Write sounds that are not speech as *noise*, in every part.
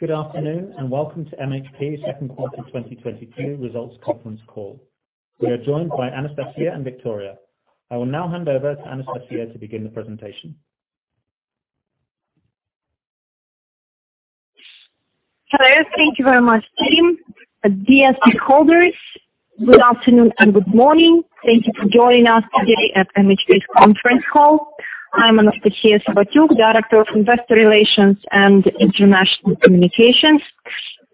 Good afternoon, and welcome to MHP Second Quarter 2022 Results Conference Call. We are joined by Anastasiya and Viktoria. I will now hand over to Anastasiya to begin the presentation. Hello. Thank you very much, Tim. Dear stakeholders, good afternoon and good morning. Thank you for joining us today at MHP's conference call. I'm Anastasiya Sobotyuk, Director of Investor Relations and International Communications.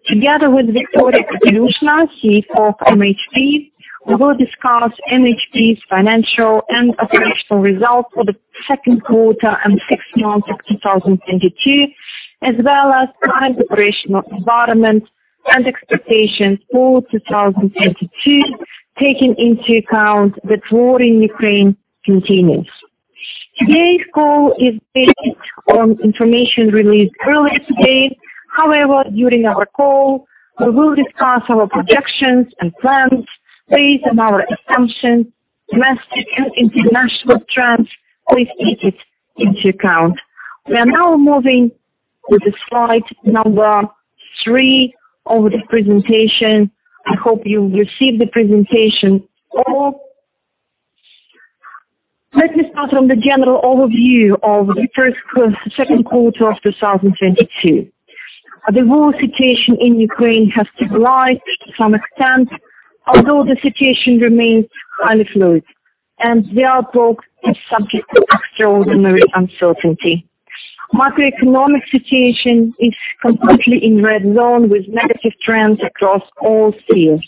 Together with Viktoria Kapelyushna, CEO of MHP, we will discuss MHP's financial and operational results for the second quarter and six months of 2022, as well as current operational environment and expectations for 2022, taking into account that war in Ukraine continues. Today's call is based on information released earlier today. However, during our call, we will discuss our projections and plans based on our assumptions, domestic and international trends. Please take it into account. We are now moving to the slide number three of the presentation. I hope you all received the presentation. Let me start on the general overview of the second quarter of 2022. The war situation in Ukraine has stabilized to some extent, although the situation remains highly fluid, and the outlook is subject to extraordinary uncertainty. Macroeconomic situation is completely in red zone with negative trends across all spheres.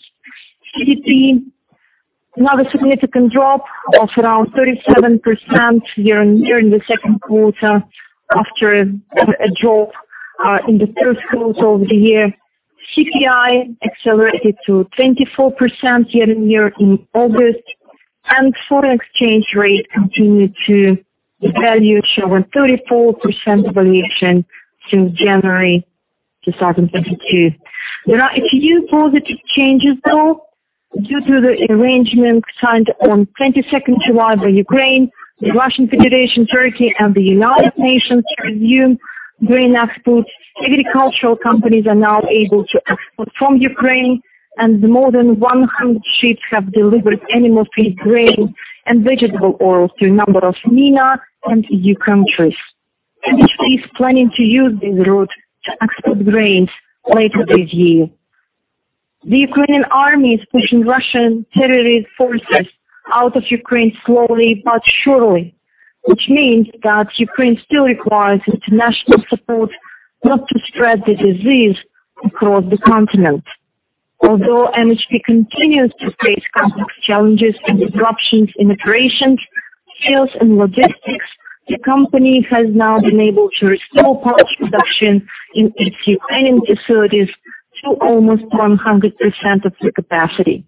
GDP, another significant drop of around 37% year-on-year in the second quarter after a drop in the first quarter of the year. CPI accelerated to 24% year-on-year in August, and foreign exchange rate continued to devalue, showing 34% devaluation since January 2022. There are a few positive changes, though, due to the arrangement signed on 22nd July by Ukraine, the Russian Federation, Turkey, and the United Nations to resume grain exports. Agricultural companies are now able to export from Ukraine, and more than 100 ships have delivered animal feed grain and vegetable oil to a number of MENA and EU countries. MHP is planning to use this route to export grains later this year. The Ukrainian army is pushing Russian terrorist forces out of Ukraine slowly but surely, which means that Ukraine still requires international support not to spread the disease across the continent. Although MHP continues to face complex challenges and disruptions in operations, sales, and logistics, the company has now been able to restore poultry production in its Ukrainian facilities to almost 100% of the capacity.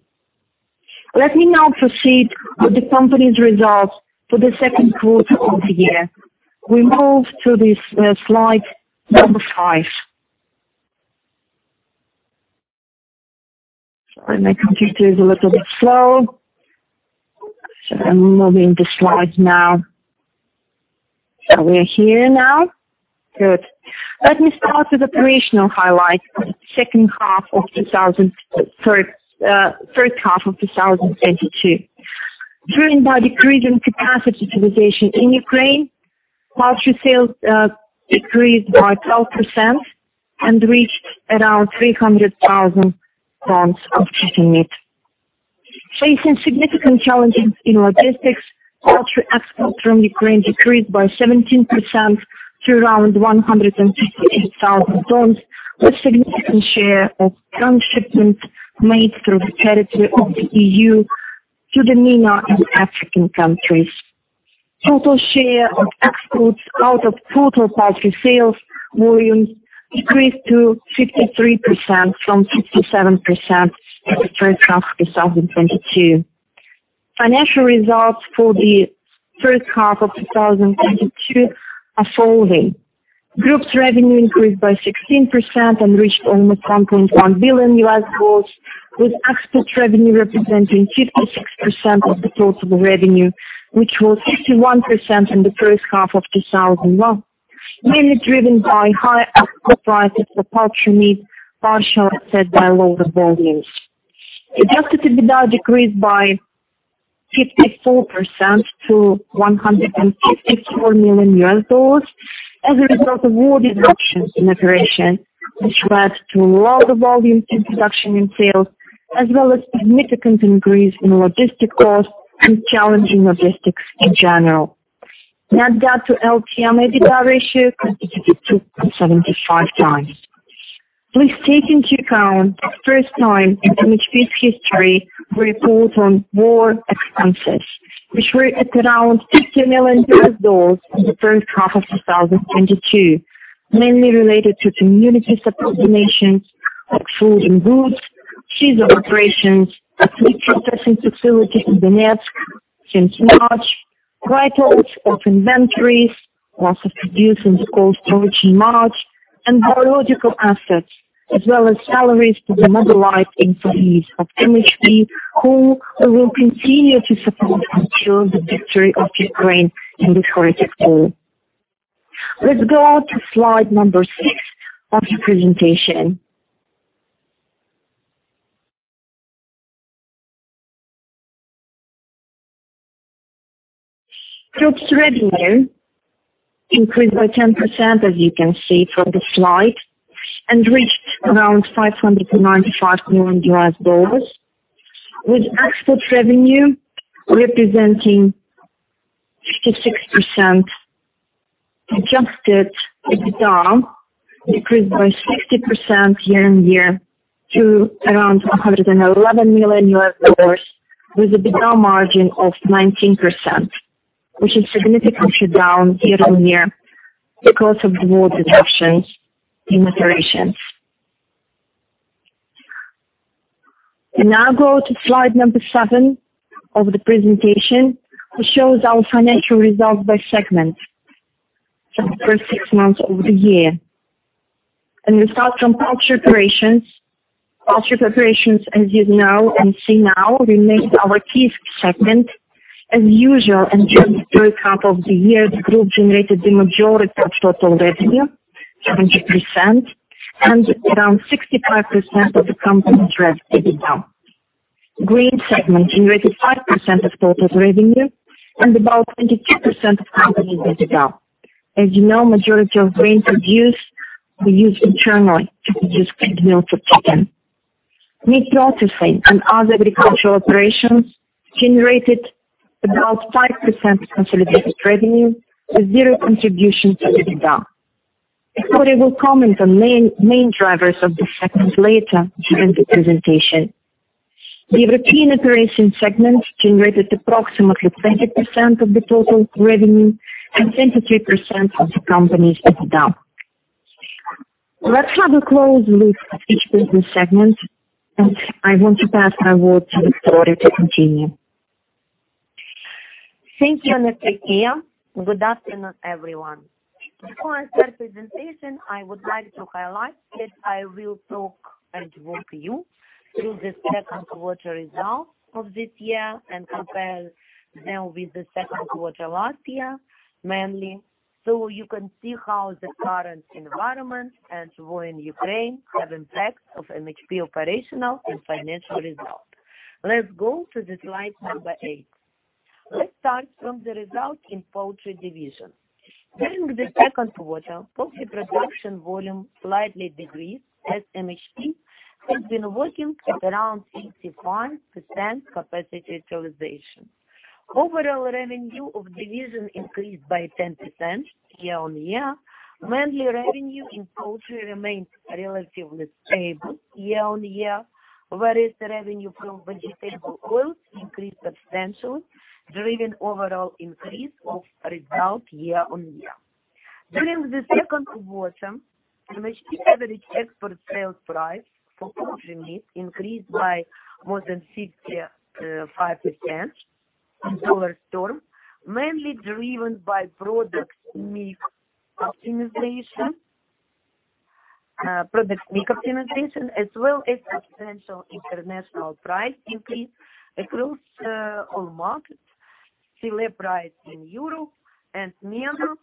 Let me now proceed with the company's results for the second quarter of the year. We move to the slide number five. Sorry, my computer is a little bit slow. I'm moving the slides now. And we're here now. Good. Let me start with operational highlights for the third half of 2022. Driven by decrease in capacity utilization in Ukraine, poultry sales decreased by 12% and reached around 300,000 tons of chicken meat. Facing significant challenges in logistics, poultry export from Ukraine decreased by 17% to around 158,000 tons, with significant share of ton shipment made through the territory of the EU to the MENA and African countries. Total share of exports out of total poultry sales volumes decreased to 53% from 67% in the first half of 2022. Financial results for the first half of 2022 are following. Group's revenue increased by 16% and reached almost $1.1 billion, with export revenue representing 56% of the total revenue, which was 51% in the first half of 2021, mainly driven by high export prices for poultry meat, partially offset by lower volumes. Adjusted EBITDA decreased by 54% to $154 million as a result of war disruptions in operations, which led to lower volumes in production and sales, as well as significant increase in logistic costs and challenging logistics in general. Net debt to LTM EBITDA ratio increased to 0.75x. Please take into account the first time in MHP's history we report on war expenses, which were at around $50 million in the first half of 2022, mainly related to community support donations like food and goods, cease of operations at meat processing facility in Donetsk since March, write-offs of inventories, loss of produce in stores during March, and biological assets. As well as salaries to the mobilized employees of MHP, who will continue to support and ensure the victory of Ukraine in this horrific war. Let's go to slide number six of the presentation. Group's revenue increased by 10%, as you can see from the slide, and reached around $595 million, with export revenue representing 56%. Adjusted EBITDA increased by 60% year-on-year to around $111 million, with a EBITDA margin of 19%, which is significantly down year-on-year because of war deductions and accelerations. And now go to slide number seven of the presentation, which shows our financial results by segment for the first six months of the year. And we start from poultry operations. Poultry operations, as you know and see now, remained our key segment as usual, and during the first six months of the year, the group generated the majority of total revenue, 70%, and around 65% of the company's revenue EBITDA. Grain segment generated 5% of total revenue and about 22% of company's EBITDA. As you know, majority of grains produced, we use internally to produce feed mill for chicken. Meat processing and other agricultural operations generated about 5% of consolidated revenue, with zero contribution to EBITDA. Viktoria will comment on main drivers of this segment later during the presentation. The European operation segment generated approximately 20% of the total revenue and 23% of the company's EBITDA. Let's have a close look at each business segment, and I want to pass my word to Viktoria to continue. Thank you, Anastasiya. Good afternoon, everyone. Before I start presentation, I would like to highlight that I will talk and walk you through the second quarter results of this year and compare them with the second quarter last year, mainly so you can see how the current environment and war in Ukraine have impacted MHP's operational and financial results. Let's go to the slide number eight. Let's start from the result in poultry division. During the second quarter, poultry production volume slightly decreased, as MHP has been working at around 85% capacity utilization. Overall revenue of division increased by 10% year-on-year. Mainly revenue in poultry remained relatively stable year-on-year, whereas the revenue from vegetable oils increased substantially, driving overall increase of result year-on-year. During the second quarter, MHP average export sales price for poultry meat increased by more than 55% in dollar terms, mainly driven by product mix optimization as well as substantial international price increase across all markets, higher price in Europe and MENA,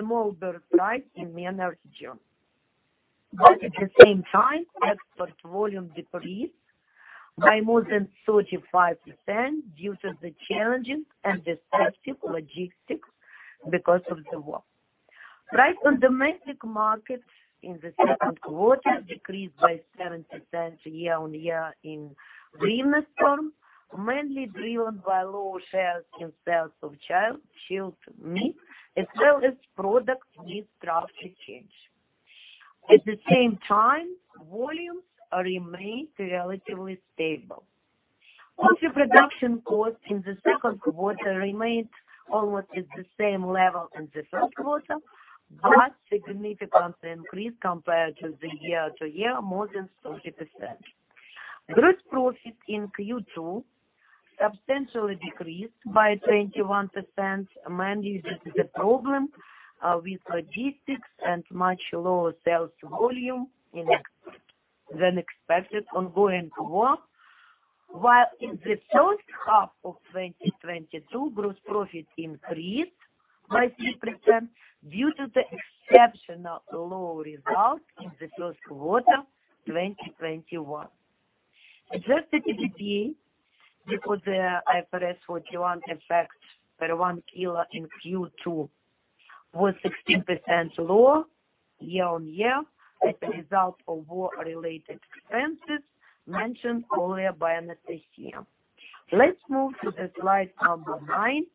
small bird price in MENA region. Export volume decreased by more than 35% due to the challenges and difficult logistics because of the war. Price on domestic market in the second quarter decreased by 7% year-on-year in hryvnia terms, mainly driven by lower shares in sales of chilled meat as well as product mix structure change. At the same time, volumes remained relatively stable. Poultry production cost in the second quarter remained almost at the same level in the first quarter, but significantly increased compared to year-over-year, more than 30%. Gross profit in Q2 substantially decreased by 21%, mainly due to the problem with logistics and much lower sales volume than expected in ongoing war. While in the first half of 2022, gross profit increased by 6% due to the exceptionally low result in the first quarter 2021. Adjusted EBITDA before the IAS 41 effects per one kilo in Q2 was 16% lower year-over-year as a result of war-related expenses mentioned earlier by Anastasiya. Let's move to slide number nine.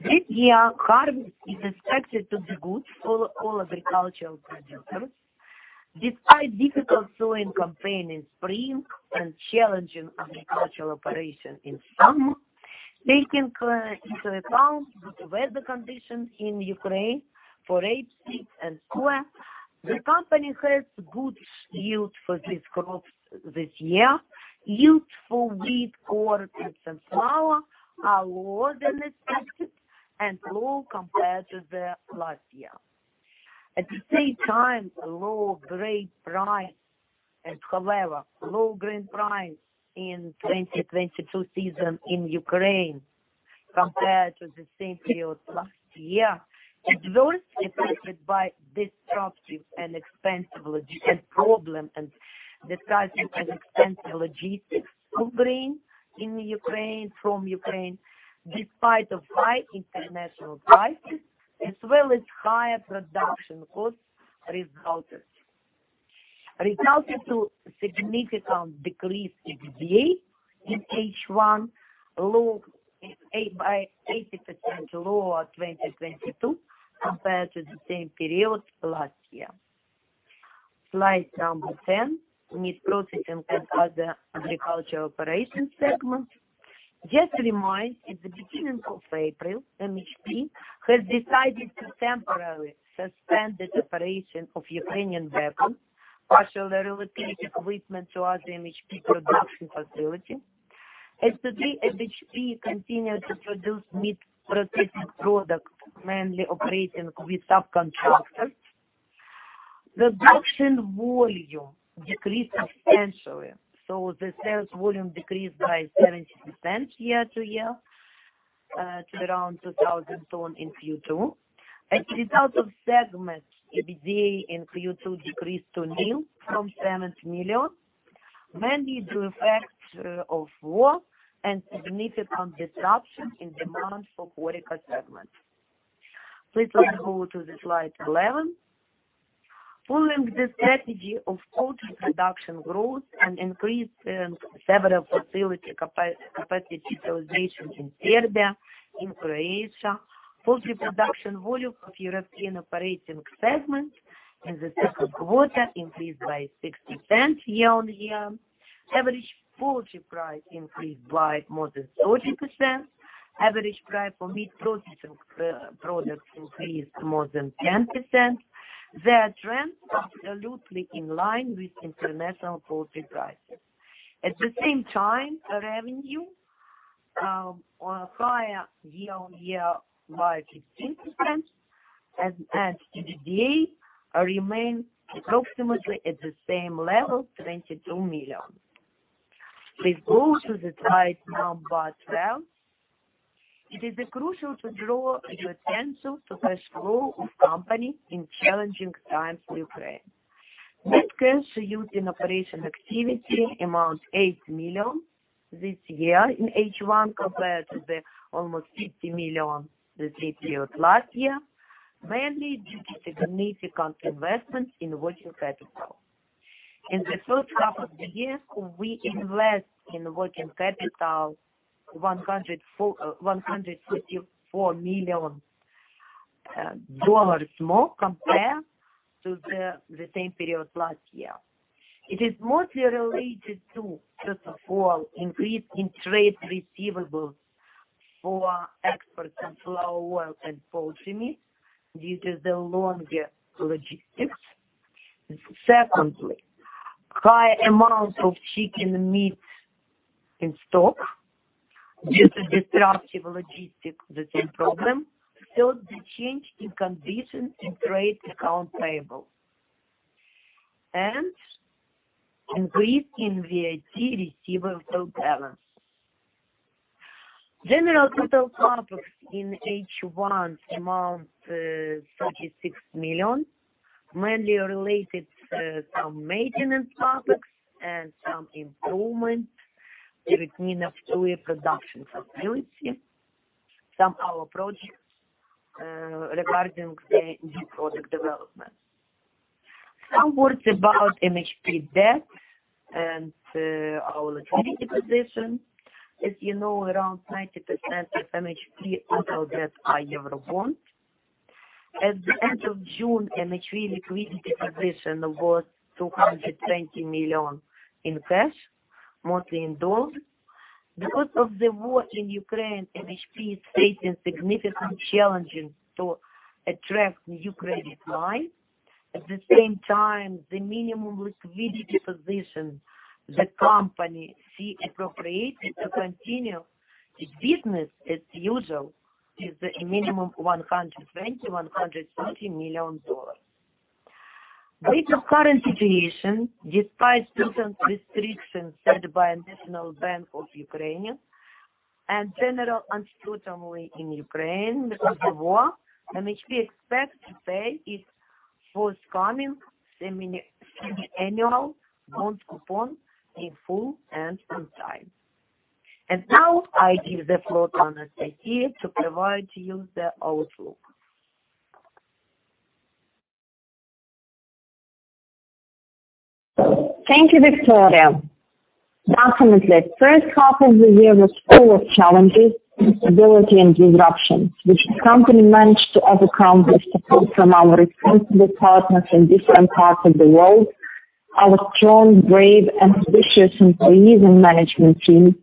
This year, harvest is expected to be good for all agricultural producers. Despite difficult sowing campaign in spring and challenging agricultural operation in summer, taking into account good weather conditions in Ukraine for rapeseed and corn, the company has good yield for these crops this year. Yield for wheat, corn, and sunflower are lower than expected and low compared to the last year. At the same time, low grain price in 2022 season in Ukraine compared to the same period last year is mostly affected by disruptive and expensive logistics from Ukraine, despite high international prices as well as higher production costs resulted in significant decrease in EBITDA in H1 by 80% lower in 2022 compared to the same period last year. Slide number 10. Meat processing and other agricultural operations segment. Just to remind, at the beginning of April, MHP has decided to temporarily suspend the operation of Vinnytsia plant, partially relocate equipment to other MHP production facility. As of today, MHP continues to produce meat processing products, mainly operating with subcontractors. Production volume decreased substantially, so the sales volume decreased by 70% year-on-year to around 2,000 tons in Q2. As a result, the segment EBITDA in Q2 decreased to nil from $7 million, mainly due to effects of war and significant disruption in demand for poultry segment. Please let's go to the slide 11. Following the strategy of poultry production growth and increase in several facility capacity utilization in Serbia, in Croatia, poultry production volume of European operating segment in the second quarter increased by 60% year-on-year. Average poultry price increased by more than 40%. Average price for meat processing products increased more than 10%. Their trends are absolutely in line with international poultry prices. At the same time, revenue were higher year-over-year by 16% and EBITDA remain approximately at the same level, $22 million. Please go to the slide number 12. It is crucial to draw your attention to cash flow of company in challenging times for Ukraine. Net cash used in operation activity amount $8 million this year in H1 compared to the almost $50 million the same period last year, mainly due to significant investment in working capital. In the first half of the year, we invest in working capital $144 million dollars more compared to the same period last year. It is mostly related to, first of all, increase in trade receivables for exports in flour, oil and poultry meat due to the longer logistics. Secondly, high amount of chicken meat in stock due to disruptive logistics, the same problem. Third, the change in condition in trade account payable. And increase in VAT receivable balance. General capital CapEx in H1 amount $36 million, mainly related, some maintenance CapEx and some improvement in Cherkasy poultry production facility. Some our projects regarding the new product development. Some words about MHP debt and our liquidity position. As you know, around 90% of MHP total debt are Eurobond. At the end of June, MHP liquidity position was $220 million in cash, mostly in dollars. Because of the war in Ukraine, MHP is facing significant challenges to attract new credit line. At the same time, the minimum liquidity position the company sees appropriate to continue its business as usual is a minimum $120 million-$130 million. With the current situation, despite certain restrictions set by National Bank of Ukraine and general uncertainty in Ukraine because of the war, MHP expects to pay its forthcoming semiannual bond coupon in full and on time. Now I give the floor to Anastasiya to provide you the outlook. Thank you, Viktoria. Definitely, first half of the year was full of challenges, instability and disruptions, which the company managed to overcome with support from our responsible partners in different parts of the world, our strong, brave and ambitious employees and management team.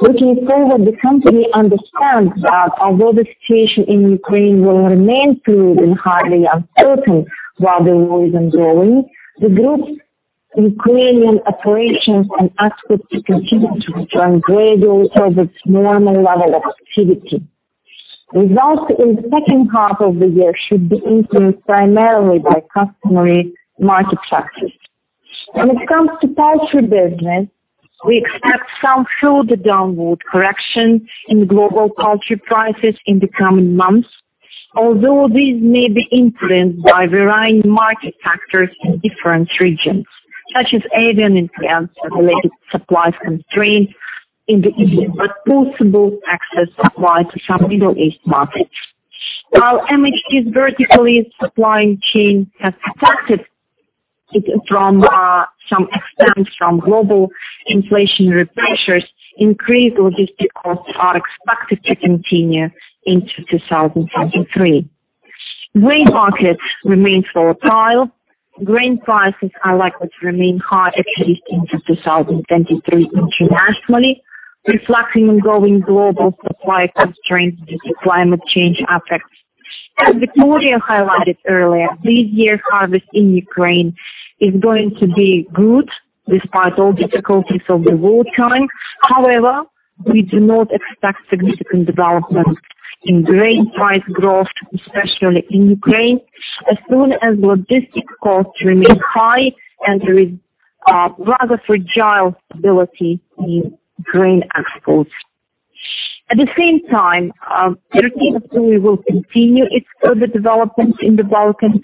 Looking forward, the company understands that although the situation in Ukraine will remain fluid and highly uncertain while the war is ongoing, the group's Ukrainian operations and assets to continue to return gradually towards its normal level of activity. Results in the second half of the year should be influenced primarily by customary market practices. When it comes to poultry business, we expect some further downward correction in global poultry prices in the coming months. Although these may be influenced by varying market factors in different regions, such as avian influenza related supply constraints in the region, but possible excess supply to some Middle East markets. While MHP's vertically integrated supply chain has protected it to some extent from global inflationary pressures, increased logistics costs are expected to continue into 2023. Grain markets remain volatile. Grain prices are likely to remain high at least into 2023 internationally, reflecting ongoing global supply constraints due to climate change effects. As Viktoria highlighted earlier, this year's harvest in Ukraine is going to be good despite all difficulties of the war. However, we do not expect significant development in grain price growth, especially in Ukraine, as long as logistics costs remain high and there is rather fragile stability in grain exports. At the same time, our retail story will continue its further development in the Balkans,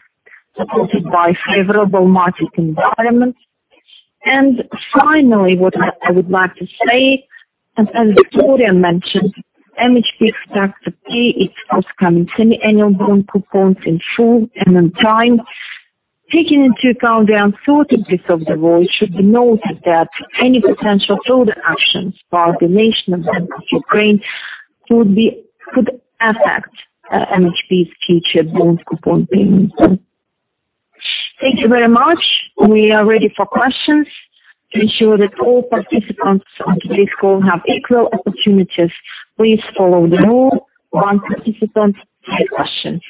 supported by favorable market environment. And finally, what I would like to say, and as Viktoria mentioned, MHP expects to pay its forthcoming semiannual bond coupons in full and on time. Taking into account the uncertainties of the war, it should be noted that any potential further actions by the nation of Ukraine could affect MHP's future bonds coupon payments. Thank you very much. We are ready for questions. To ensure that all participants on today's call have equal opportunities, please follow the rule, one participant, three questions.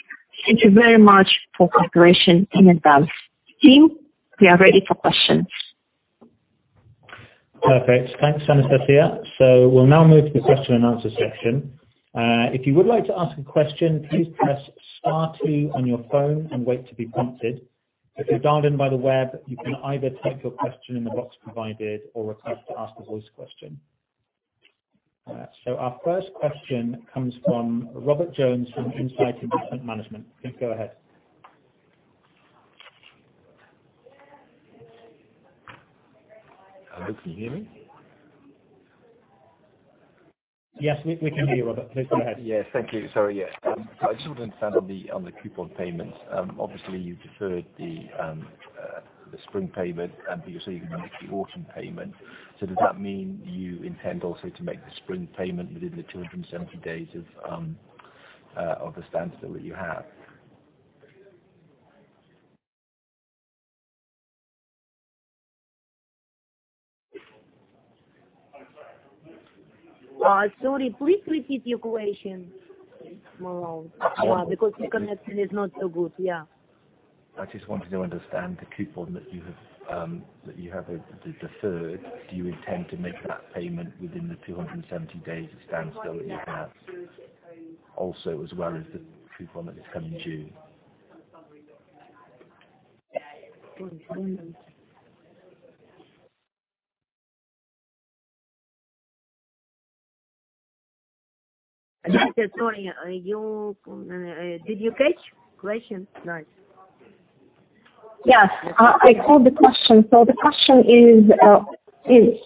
Thank you very much for cooperation in advance. Team, we are ready for questions. Perfect. Thanks, Anastasiya. We'll now move to the question and answer section. If you would like to ask a question, please press star two on your phone and wait to be prompted. If you're dialed in by the web, you can either type your question in the box provided or request to ask a voice question. Our first question comes from Robert Jones from Insight Investment Management. Please go ahead. Hello, can you hear me? Yes, we can hear you, Robert. Please go ahead. Yes. Thank you. Sorry. Yeah. I just wouldn't stand on the coupon payments. Obviously you deferred the spring payment, but you're saying you can make the autumn payment. Does that mean you intend also to make the spring payment within the 270 days of the standstill that you have? Sorry, please repeat your question. Because your connection is not so good. Yeah. I just wanted to understand the coupon that you have deferred. Do you intend to make that payment within the 270 days of standstill that you have? Also, as well as the coupon that is coming due. Sorry. Did you catch question? Nice. Yes. I caught the question. The question is.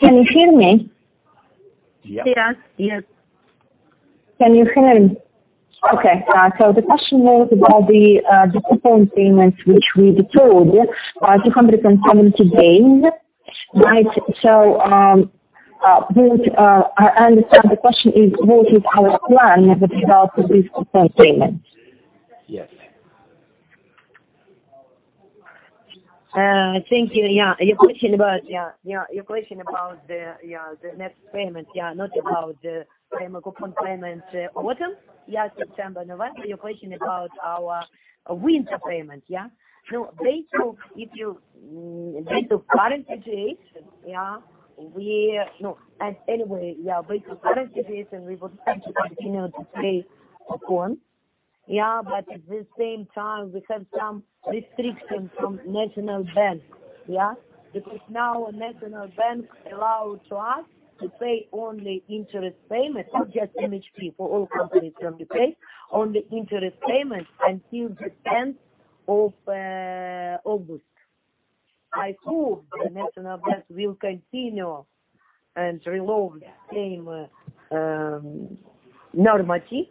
Can you hear me? Yeah. Yes. Can you hear me? Okay. The question was about the coupon payments, which we deferred 270 days. Right. I understand the question is, what is our plan with regard to this coupon payment? Yes. Thank you. Your question about the next payment. Not about the payment, coupon payment, autumn. September, November. Your question about our winter payment. Based on current situation, we would like to continue to pay coupon. At the same time, we have some restrictions from National Bank. Because now National Bank allows us to pay only interest payments, not just MHP, for all companies from Ukraine. Only interest payments until the 10th of August. I hope the National Bank will continue and reload same normative.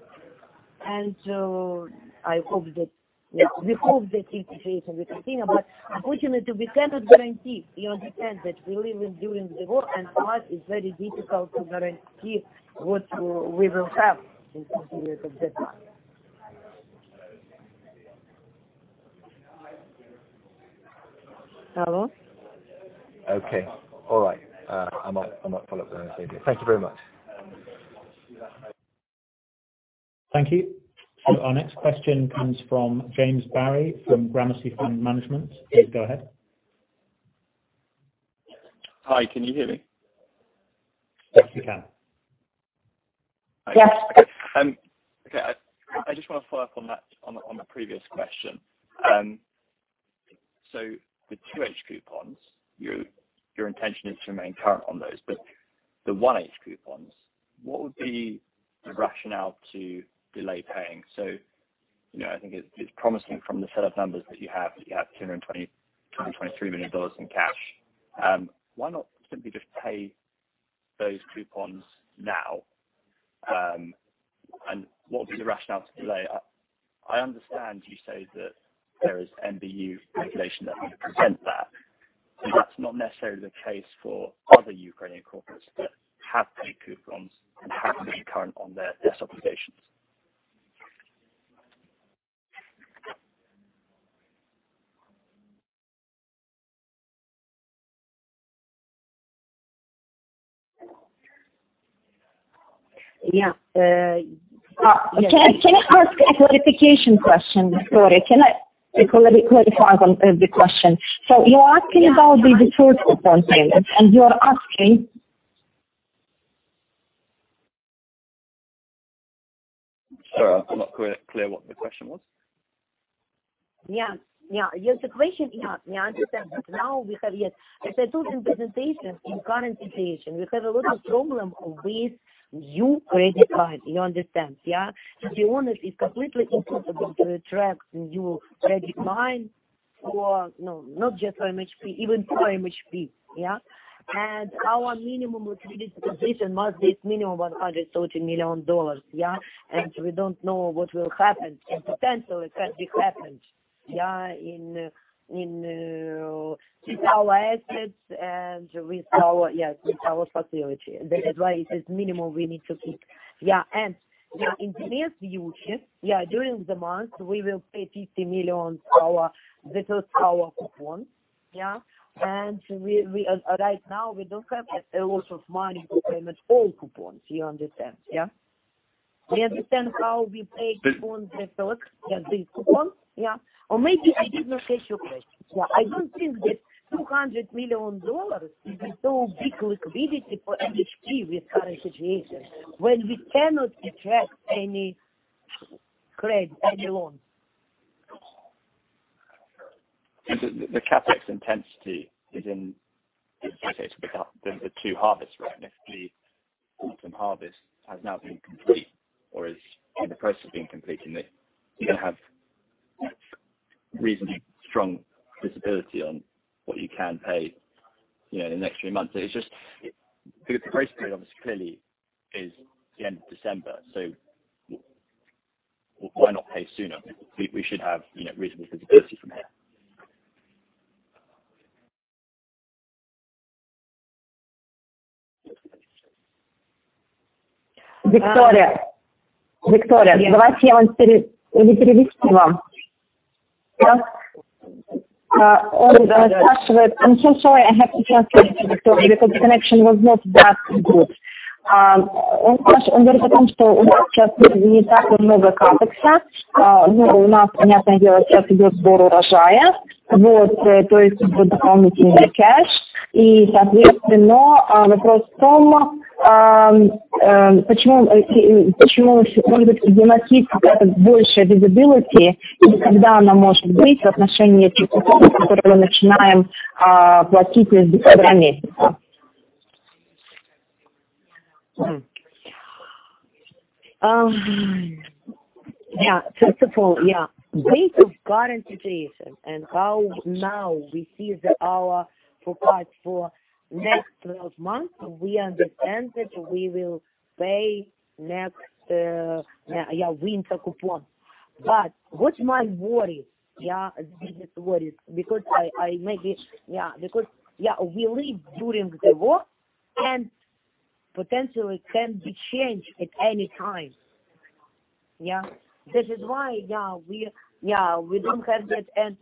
We hope that this situation will continue. Unfortunately, we cannot guarantee. You understand that we're living during the war, and for us it's very difficult to guarantee what we will have in terms of this. Hello? Okay. All right. I might follow up with. *audio distortion* Thank you very much. Thank you. Our next question comes from James Barry from Gramercy Funds Management. Please go ahead. Hi, can you hear me? Yes, we can. Yes. Okay. I just want to follow up on that, on the previous question. The two H coupons, your intention is to remain current on those, but the one H coupons, what would be the rationale to delay paying? You know, I think it's promising from the set of numbers that you have $223 million in cash. Why not simply just pay those coupons now? And what would be the rationale to delay? I understand you say that there is NBU regulation that would prevent that, but that's not necessarily the case for other Ukrainian corporates that have paid coupons and have been current on their obligations. Yeah. Can I ask a clarification question? Sorry, can I clarify on the question? So you are asking about the default coupon payment, and you are asking? Sorry, I'm not clear what the question was. Yes, the question. I understand. Now we have. As I told you in presentation, in current situation, we have a lot of problem with new credit lines. You understand. To be honest, it's completely impossible to attract new credit line, not just for MHP, even for MHP. Our minimum liquidity position must be at minimum $130 million. We don't know what will happen and potentially a tragedy happens with our assets and with our facilities. That is why it is minimum we need to keep. In nearest future, during the month we will pay $50 million, that was our coupon. Right now we don't have a lot of money to pay all coupons. You understand. You understand how we pay coupons, the coupon, yeah? Or maybe I did not catch your question. Yeah, I don't think that $200 million is so big liquidity for MHP with current situation when we cannot attract any credit, any loan. The CapEx intensity is, as you say, it's without the two harvests, right? If the autumn harvest has now been complete or is in the process of being complete, then you have reasonably strong visibility on what you can pay, you know, in the next three months. It's just the grace period obviously clearly is the end of December, so why not pay sooner? We should have, you know, reasonable visibility from here. Viktoria. Yes. I'm so sorry I have to translate, Viktoria, because the connection was not that good. *audio distortion* First of all, data of current situation and how now we see that our profile for next 12 months, we understand that we will pay next winter coupon. But what my worry, biggest worries because I maybe because we live during the war, and potentially it can be changed at any time. This is why we don't have that. And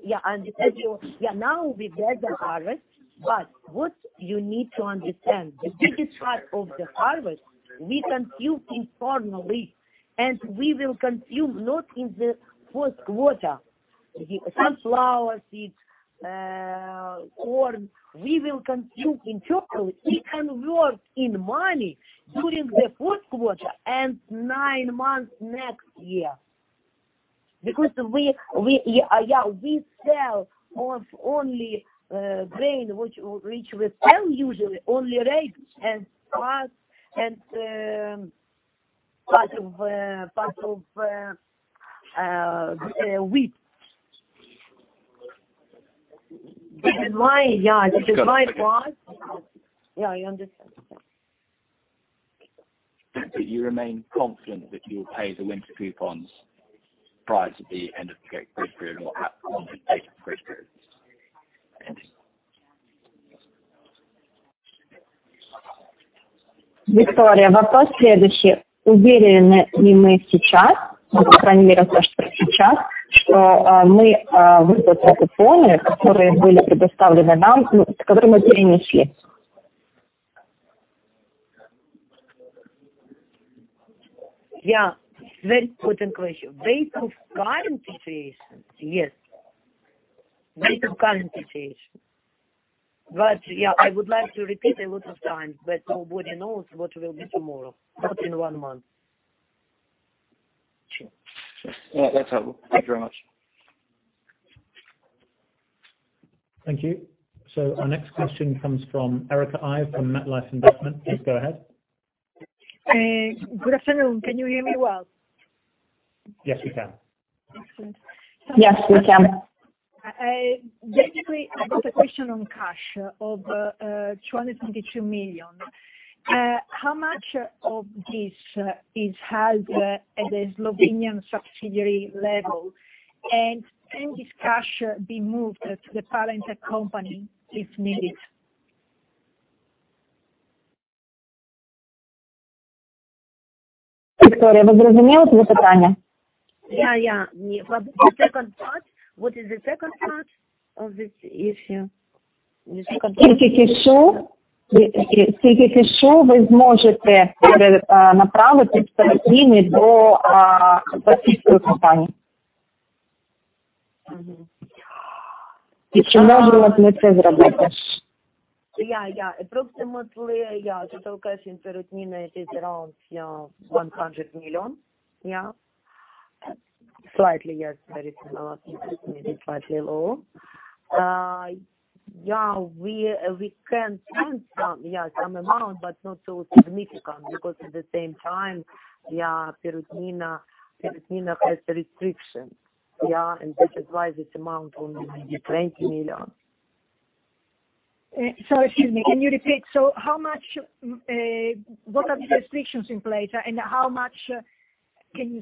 as you know, we've had the harvest, but what you need to understand, the biggest part of the harvest we consume internally, and we will consume not in the fourth quarter. Sunflower seeds, corn, we will consume internally. It convert in money during the fourth quarter and nine months next year. Because we, yeah, we sell mostly only grain which we sell usually only rye and corn and part of wheat. This is why, yeah, this is my worry. Yeah, you understand. Do you remain confident that you will pay the winter coupons prior to the end of the grace period or at, on the date of the grace period? Thank you. Viktoria, *audio distortion* Yeah, very important question. Based on current situation, yes. Yeah, I would like to repeat a lot of times, but nobody knows what will be tomorrow, not in one month. Sure. Yeah, that's helpful. Thank you very much. Thank you. Our next question comes from Erica Ive from MetLife Investment. Please go ahead. Good afternoon. Can you hear me well? Yes, we can. Excellent. Yes, we can. Basically, I got a question on cash of $252 million. How much of this is held at the Slovenian subsidiary level? And can this cash be moved to the parent company if needed? Approximately. Total cash in Perutnina is around $100 million. Slightly, yes, very similar. Maybe slightly low. We can send some amount, but not so significant because at the same time, Perutnina has restrictions. This is why this amount only maybe $20 million. Excuse me. Can you repeat? So how much, what are the restrictions in place and how much can you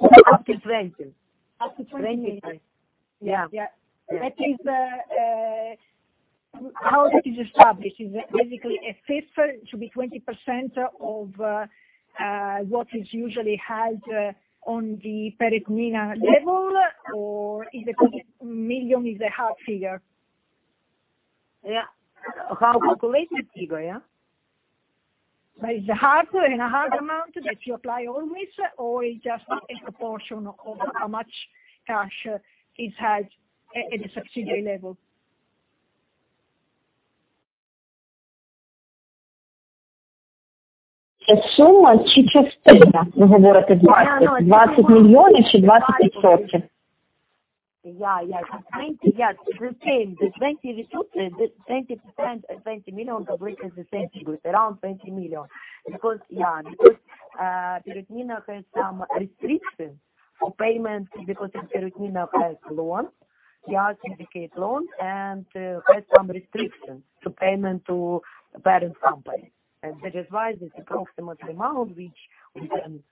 send up to? Up to 20. Up to $20 million. $20 million. Yeah. Yeah. That is how that is established? Is it basically a fifth should be 20% of what is usually held on the Perutnina Ptuj level or million is a hard figure? Yeah. How calculated figure, yeah? Is it hard and fast amount that you apply always or is just a proportion of how much cash is held at the subsidiary level? *audio distortion* Yeah. 20, yeah. To retain the 20% reserves, the 20% and $20 million equivalent is the same, it's around $20 million. Because, yeah, because, Perutnina Ptuj has some restrictions for payment because Perutnina Ptuj has loans. Yeah, syndicated loans, and, has some restrictions to payment to parent company. That is why this is approximate amount which we can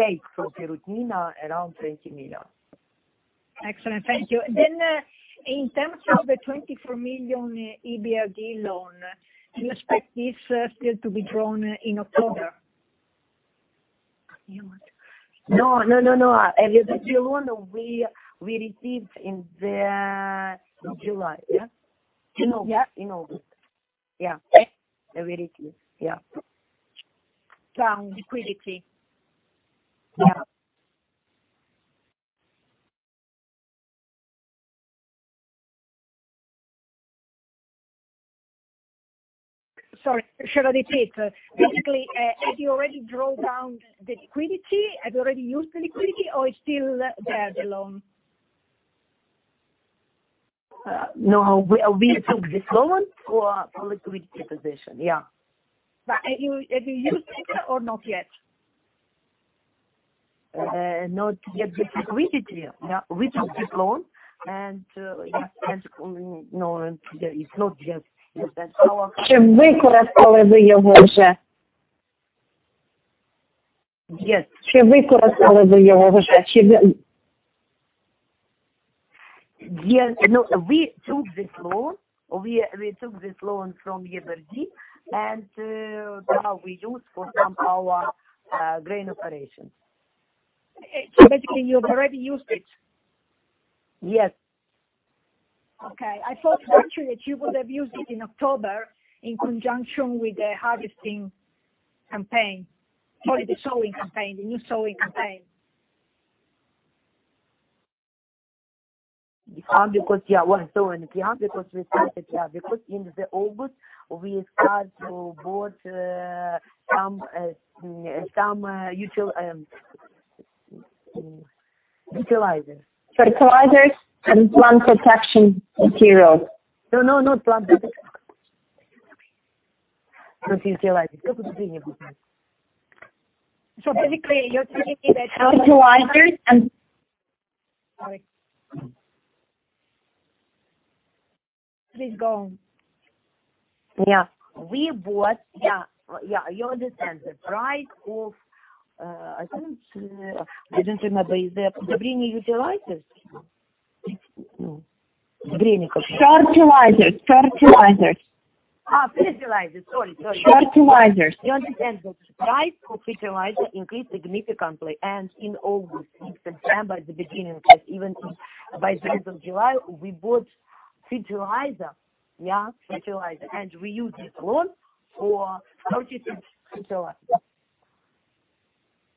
take from Perutnina Ptuj around $20 million. Excellent. Thank you. In terms of the $24 million EBRD loan, do you expect this still to be drawn in October? No. EBRD loan we received in August. Yeah. We received some liquidity. Yeah. Sorry. Shall I repeat? Basically, have you already drawn down the liquidity? Have you already used the liquidity or it's still there, the loan? No. We took this loan for liquidity position. Yeah. Have you used it or not yet? Not yet. The liquidity. We took this loan, and no, it's not yet. *audio distortion* Yes. No, we took this loan from EBRD, and now we use it for some of our grain operations. Basically, you've already used it? Yes. Okay. I thought actually that you would have used it in October in conjunction with the harvesting campaign or the sowing campaign, the new sowing campaign. Because sowing. We started in August to buy some fertilizers. Fertilizers and plant protection materials. No, no, not plant protection. Just fertilizers. Basically, you're telling me that. Fertilizers and- Sorry. Please go on. Yeah. We bought. Yeah, yeah, you understand. The price of, I don't remember is the Fertilizers. Fertilizers. Sorry. Fertilizers. You understand. The price for fertilizer increased significantly, and in August, in September at the beginning, even by the end of July, we bought fertilizer. Yeah, fertilizer. We used this loan for purchasing fertilizer.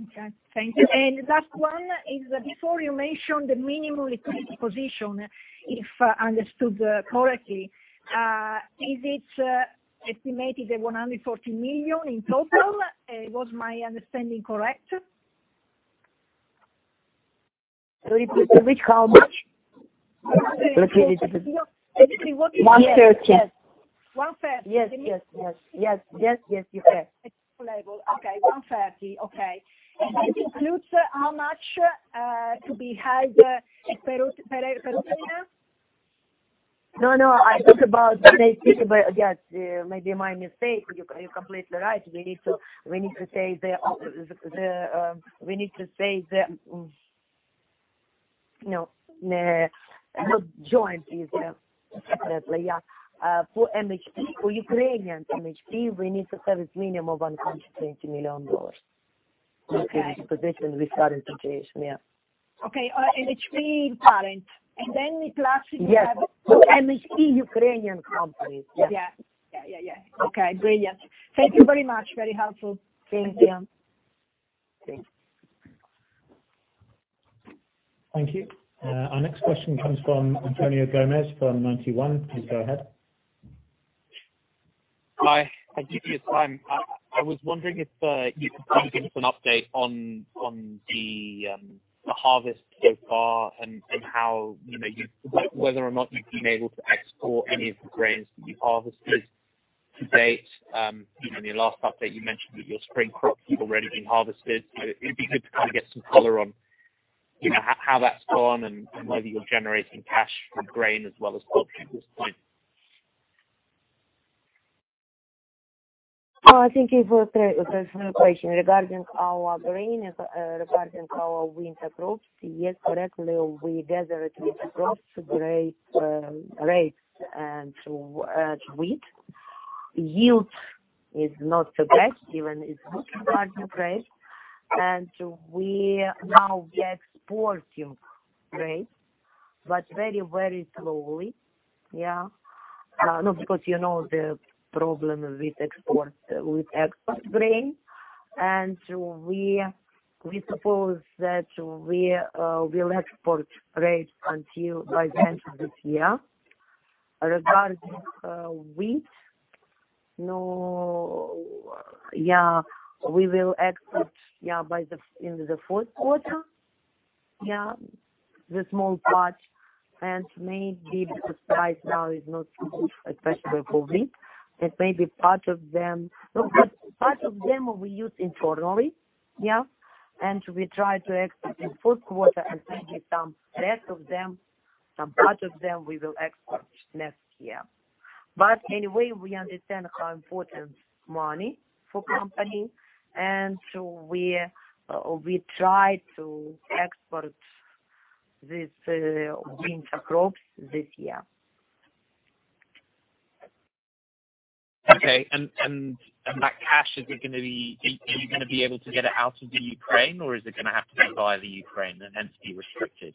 Okay, thank you. Last one is before you mentioned the minimum liquidity position, if I understood correctly, is it estimated at $140 million in total? Was my understanding correct? Sorry, please repeat. How much? Excuse me. What is it? $130. $130. Yes, yes. Yes, yes, you said. Okay. $130. Okay. That includes how much to be held in Perutnina? No, no. *audio distortion* Yes. Maybe my mistake. You're completely right. We need to say the opposite. We need to say that, you know, not jointly, separately. Yeah. For MHP, for Ukrainian MHP, we need to have a minimum of $120 million. Liquidity position. We started today. Yeah. Okay. MHP in parentheses, and then we have Yes. For MHP, Ukrainian company. Yes. Yeah. Okay. Brilliant. Thank you very much. Very helpful. Thanks. Yeah. Thank you. Our next question comes from Antonio Luiz Gomes from Ninety One. Please go ahead. Hi. Thank you for your time. I was wondering if you could probably give us an update on the harvest so far and how, you know, whether or not you've been able to export any of the grains that you harvested to date. In your last update, you mentioned that your spring crops had already been harvested. It'd be good to kind of get some color on, you know, how that's gone and whether you're generating cash from grain as well as poultry at this point. Thank you for the question. Regarding our winter crops, yes, correctly, we gathered winter crops, rapeseed and wheat. Yield is not so great, even it's not regarding rapeseed. We are now exporting rapeseed, but very, very slowly. Yeah. Not because, you know, the problem with export grain. And we suppose that we will export rapeseed until by the end of this year. Regarding wheat. No. Yeah, we will export, yeah, in the fourth quarter. Yeah. The small part. Maybe the price now is not so good, especially for wheat. Maybe part of them. No, but part of them will we use internally. Yeah. We try to export in fourth quarter and maybe some rest of them, some part of them, we will export next year. But anyway, we understand how important money for company. We try to export these winter crops this year. Okay. That cash, are you gonna be able to get it out of the Ukraine, or is it gonna have to be via the Ukraine and hence be restricted?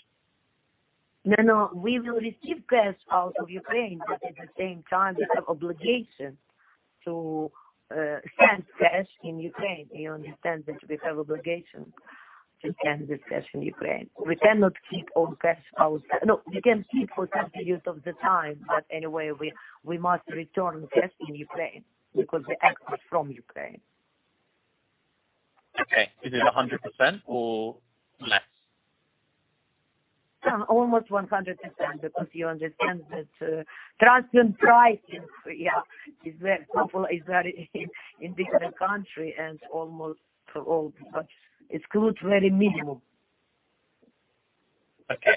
No, no. We will receive cash out of Ukraine, but at the same time, we have obligation to send cash in Ukraine. You understand that we have obligation to send this cash in Ukraine. We cannot keep all cash out. No, we can keep for some period of the time, but anyway, we must return cash in Ukraine because we export from Ukraine. Okay. Is it 100% or less? Almost 100%, because you understand that transfer pricing, yeah, is very powerful, is very important in different country and almost for all products. It's good, very minimal. Okay.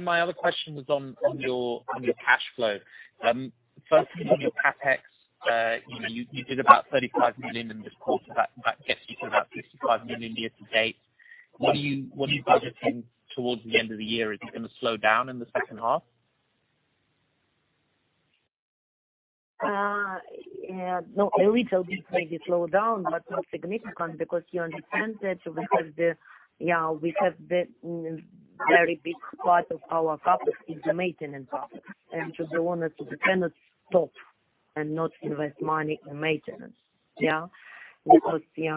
My other question was on your cash flow. First on your CapEx, you know, you did about $35 million in this quarter. That gets you to about $55 million year to date. What are you budgeting towards the end of the year? Is it gonna slow down in the second half? No, a little bit maybe slow down, but not significant because you understand that we have the very big part of our CapEx is the maintenance CapEx. We wanted to cannot stop and not invest money in maintenance. Because you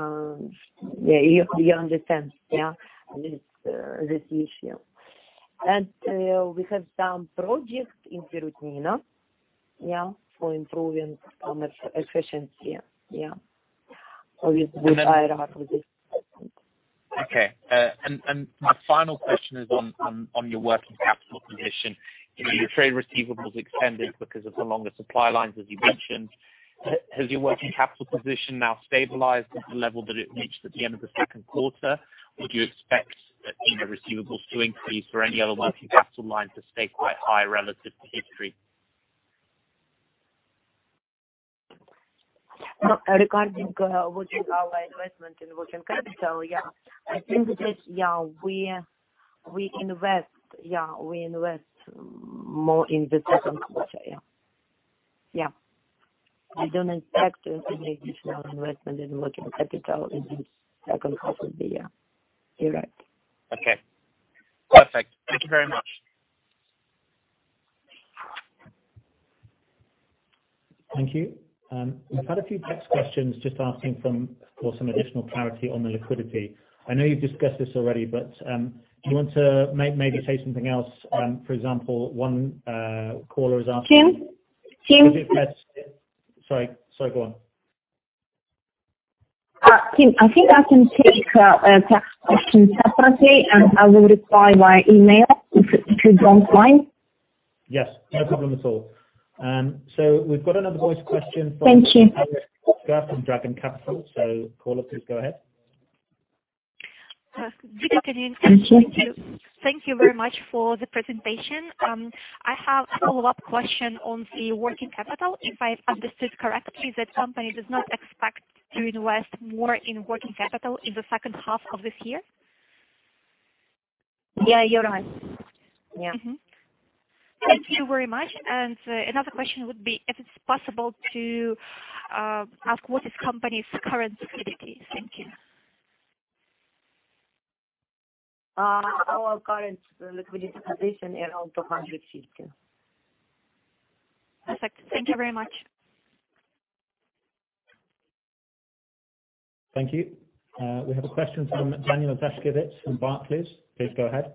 understand this issue. We have some project in Perutnina for improving farmer efficiency. We hire after this. Okay. My final question is on your working capital position. You know, your trade receivables extended because of the longer supply lines, as you mentioned. Has your working capital position now stabilized at the level that it reached at the end of the second quarter? Or do you expect, you know, receivables to increase or any other working capital lines to stay quite high relative to history? No. Regarding what is our investment in working capital, yeah. I think that, yeah, we invest more in the second quarter. Yeah. I don't expect to make this small investment in working capital in the second half of the year. You're right. Okay. Perfect. Thank you very much. Thank you. We've had a few text questions just asking for some additional clarity on the liquidity. I know you've discussed this already, but do you want to maybe say something else? For example, one caller is asking- Tim? Sorry, go on. Tim, I think I can take a text question separately, and I will reply via email if it's online. Yes. No problem at all. We've got another voice question from Thank you. From Dragon Capital. Caller, please go ahead. Good afternoon. *audio distortion* Thank you very much for the presentation. I have a follow-up question on the working capital. If I've understood correctly, that company does not expect to invest more in working capital in the second half of this year. Yeah, you're right. Yeah. Thank you very much. Another question would be, if it's possible to ask what is company's current liquidity? Thank you. Our current liquidity position around $250. Perfect. Thank you very much. Thank you. We have a question from Daniel Janiszewski from Barclays. Please go ahead.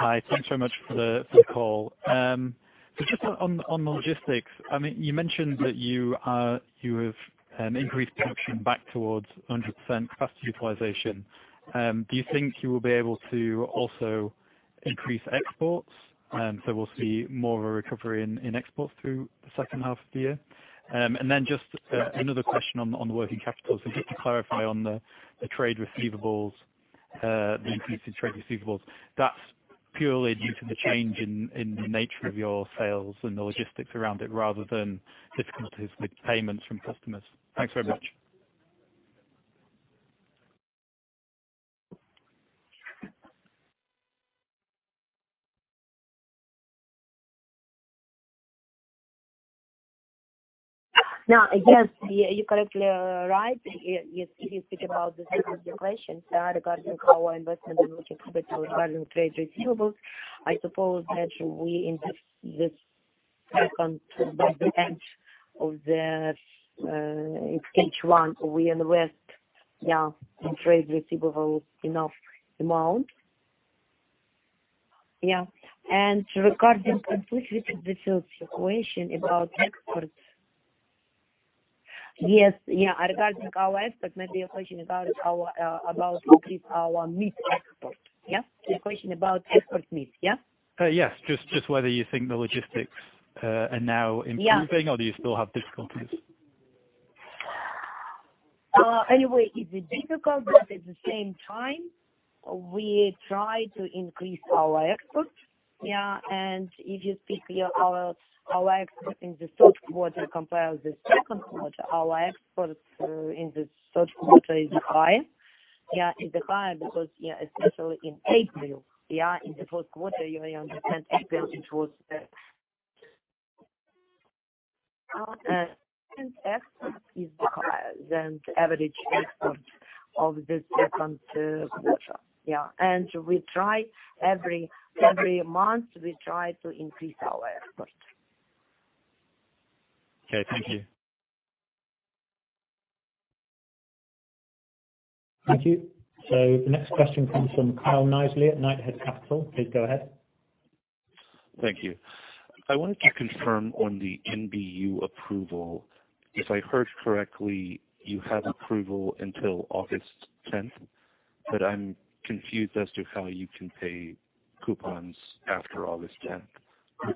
Hi. Thanks so much for the call. I mean, you mentioned that you have increased production back towards 100% capacity utilization. Do you think you will be able to also increase exports? We'll see more of a recovery in exports through the second half of the year. Just another question on the working capital, just to clarify on the trade receivables, the increase in trade receivables, that's purely due to the change in the nature of your sales and the logistics around it rather than difficulties with payments from customers. Thanks very much. Yes, yeah, you are correct, you are right. Yeah, if you speak about the situation regarding how our investment in working capital and trade receivables, I suppose that we invest this. Second, by the end of Q1, we invest, yeah, in trade receivables enough amount. Yeah. Regarding completely the third situation about exports. Yes. Yeah. Regarding our export, maybe a question about how about increase our meat export. Yeah? The question about export meat. Yeah? Yes. Just whether you think the logistics are now improving? Yeah. Do you still have difficulties? Anyway, it's difficult, but at the same time, we try to increase our exports. Yeah, and if you speak of our export in the third quarter compared with the second quarter, our export in the third quarter is high because especially in April in the fourth quarter, you understand April, it was. Our export is higher than the average export of the second quarter. We try every month to increase our export. Okay. Thank you. Thank you. Next question comes from Kyle Kneisly at Knighthead Capital. Please go ahead. Thank you. I wanted to confirm on the NBU approval. If I heard correctly, you have approval until August 10th, but I'm confused as to how you can pay coupons after August 10th.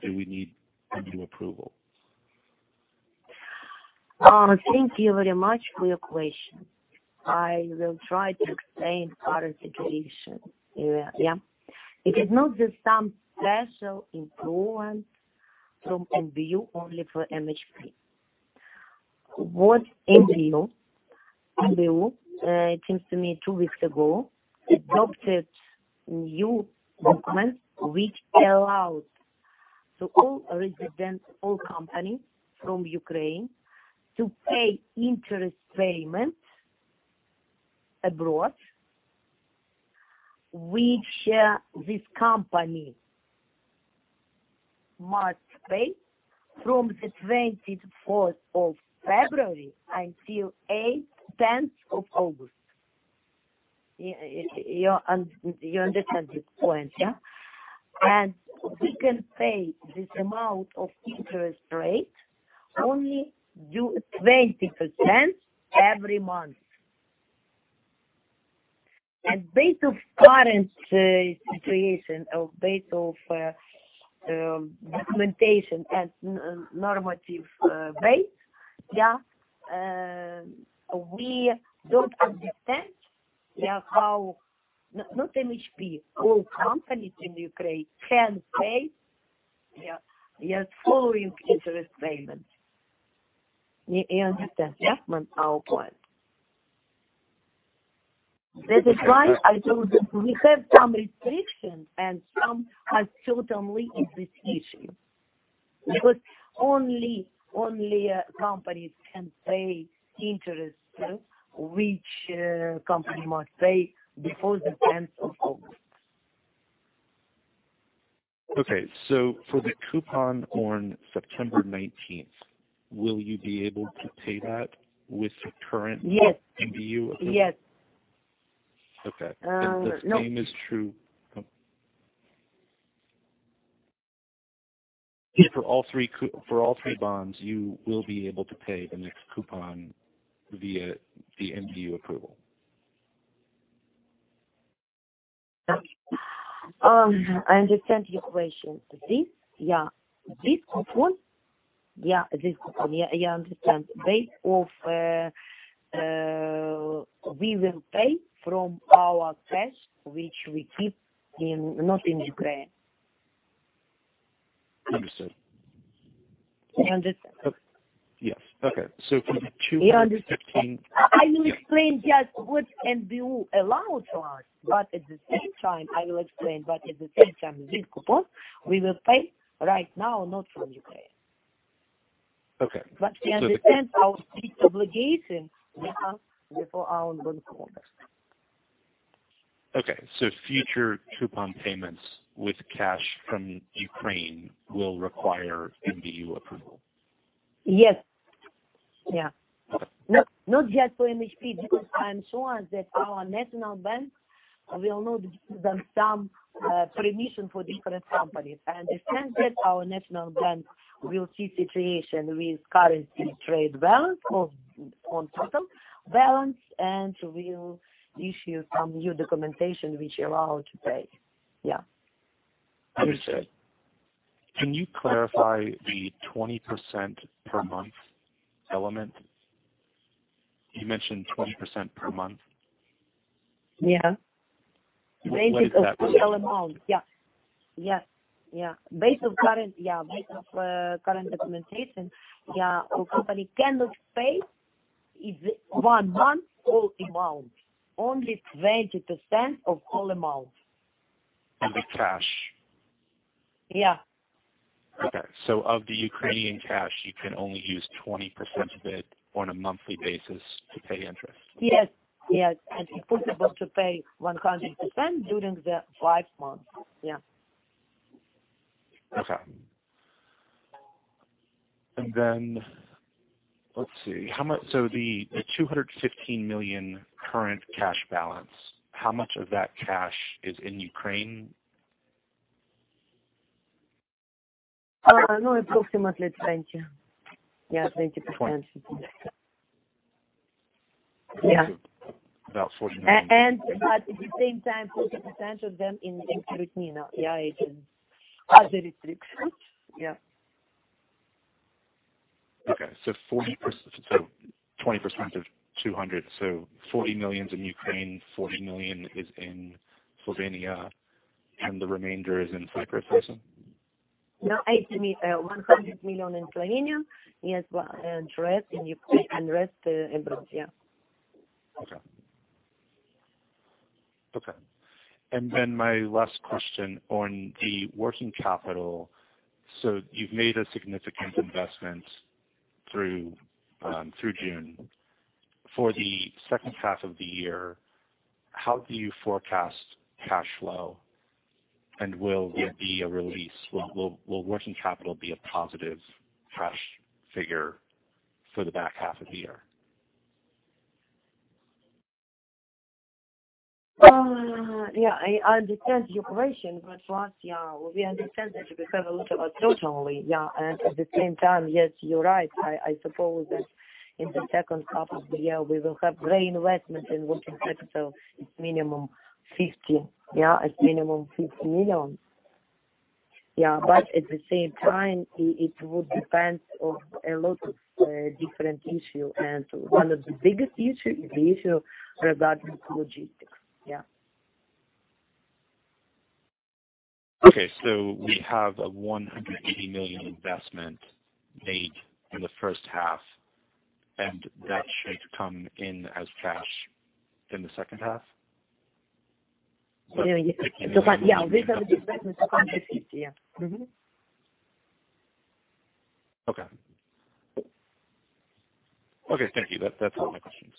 Do we need NBU approval? Thank you very much for your question. I will try to explain our situation. It is not just some special influence from NBU only for MHP. The NBU, it seems to me two weeks ago, adopted new document which allows to all residents, all companies from Ukraine to pay interest payments abroad, which this company must pay from the 24th of February until 8th-10th of August. You understand this point, yeah? We can pay this amount of interest rate only due 20% every month. Based on current situation or base of documentation and normative rate, yeah, we don't understand, yeah, how not MHP, all companies in Ukraine can pay, yeah, just following interest payments. You understand, yes, our point? That is why I told you we have some restrictions, and some has totally in this issue. Because only companies can pay interest, yeah, which company must pay before the tenth of August. Okay. For the coupon on September 19h, will you be able to pay that with the current- Yes. NBU approval? Yes. Okay. No. The same is true for all three bonds. You will be able to pay the next coupon via the NBU approval. I understand your question. This coupon. Yeah, I understand. We will pay from our cash, which we keep, not in Ukraine. Understood. You under- Yes. Okay. You understand. I will explain just what NBU allow to us, but at the same time this coupon we will pay right now not from Ukraine. Okay. You understand our big obligation we have before our bondholders. Okay. Future coupon payments with cash from Ukraine will require NBU approval. Yes. Yeah. Not just for MHP. This time show us that our National Bank of Ukraine will not give them some permission for different companies. I understand that our National Bank of Ukraine will see situation with current trade balance on total balance and will issue some new documentation which allow to pay. Yeah. Understood. Can you clarify the 20% per month element? You mentioned 20% per month. Yeah. What does that mean? Yeah. Based off current documentation, a company cannot pay in one month full amount, only 20% of all amount. Of the cash? Yeah. Okay. So Ukrainian cash, you can only use 20% of it on a monthly basis to pay interest. Yes. Yes. It's impossible to pay 100% during the five months. Yeah. How much of the $215 million current cash balance is in Ukraine? No, approximately 20%. Yeah, 20%. 20%. Yeah. About $40 million. At the same time, 40% of them in Cyprus, yeah, it's in other restrictions. Yeah. Okay. 20% of 200. $40 million is in Ukraine, $40 million is in Slovenia, and the remainder is in Cyprus. No, $100 million in Slovenia. Yes. Well, rest in Ukraine and rest in both. Yeah. Okay. And my last question on the working capital. You've made a significant investment through June. For the second half of the year, how do you forecast cash flow? And will there be a release? Will working capital be a positive cash figure for the back half of the year? I understand your question, but last year we understand that you have a lot of our total only. At the same time, yes, you're right. I suppose that in the second half of the year we will have great investment in working capital. It's minimum $50 million. At the same time, it would depend on a lot of different issues. One of the biggest issues is the issue regarding logistics. Yeah. Okay. So we have a $180 million investment made in the first half, and that should come in as cash in the second half? Yeah. These are the investments of $150. Yeah. Okay. Thank you. That's all my questions.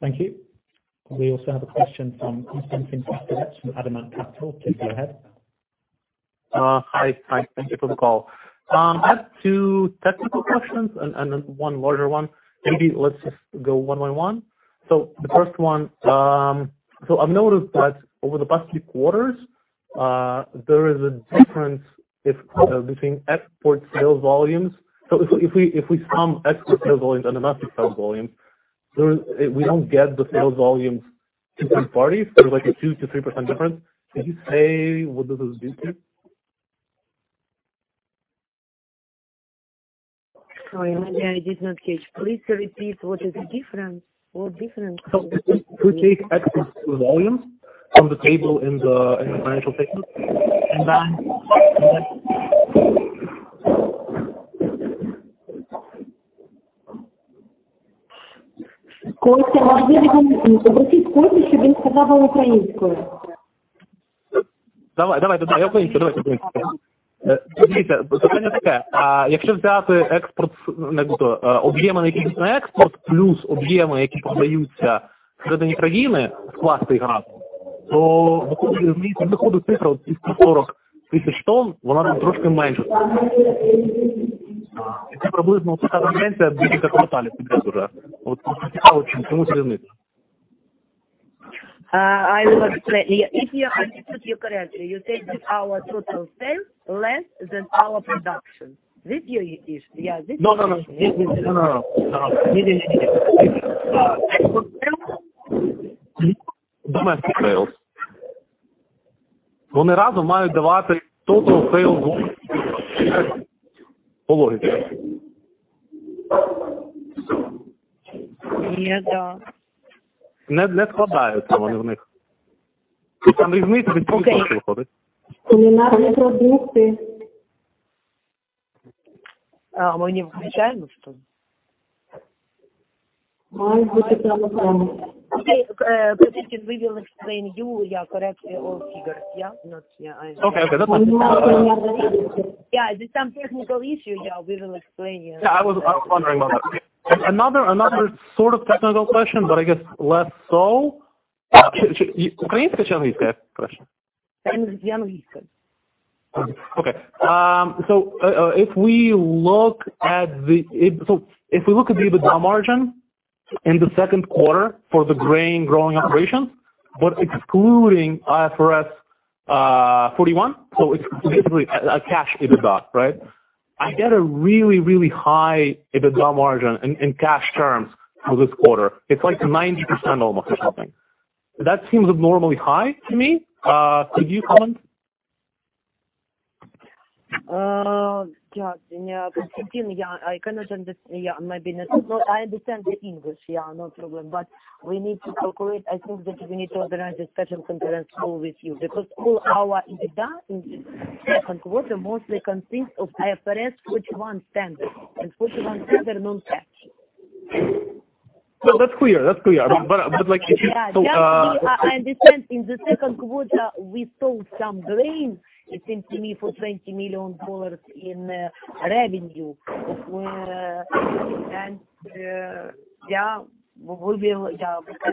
Thank you. We also have a question from Konstantin Fastovets from Adamant Capital. Please go ahead. Hi. Hi. Thank you for the call. I have two technical questions and then one larger one. Maybe let's just go one by one. The first one, I've noticed that over the past three quarters, there is a difference between export sales volumes. If we sum export sales volumes and domestic sales volumes, we don't get the sales volumes to third parties. There's like a 2%-3% difference. Can you say what this is due to? Sorry. I did not catch. Please repeat what is different. What different? Давайте по-українськи. Дивіться, питання таке: якщо взяти експорт, тобто обсяги, які йдуть на експорт, плюс обсяги, які продаються всередині країни, скласти їх разом, то виходить — у мене тут виходить цифра — ось ці 140 тисяч тонн, вона там трохи менша. Це приблизно така тенденція триває квартали поспіль вже. Цікаво, чому так? I will explain. If I understood you correctly, you think that our total sales less than our production. This your issue, yeah? Нет, нет, нет. Нет, нет, нет. Export sales плюс domestic sales. Они разом должны давать total sales по логике. Нет, да. Не, не складываются они у них. То есть там разница почти в два раза выходит. Кулинарные продукты... А, мне отвечают, что ли? Мают быть примерно так. Константин, we will explain you, yeah, correctly all figures, yeah? Окей, окей, that's nice. Yeah, there's some technical issue, yeah. We will explain you. Yeah, I was wondering about that. Another sort of technical question, but I guess less so. Украинский или английский вопрос? Я на английском. If we look at the EBITDA margin in the second quarter for the grain growing operation, but excluding IAS 41, it's basically a cash EBITDA, right? I get a really, really high EBITDA margin in cash terms for this quarter. It's like 90% almost or something. That seems abnormally high to me. Could you comment? Konstantin, I understand the English. Yeah, no problem. We need to calculate. I think that we need to organize a special conference call with you, because all our EBITDA in second quarter mostly consists of IAS 41 standard, and 41 standard non-cash. No, that's clear. Like if you I understand in the second quarter, we sold some grain, it seems to me, for $20 million in revenue. We can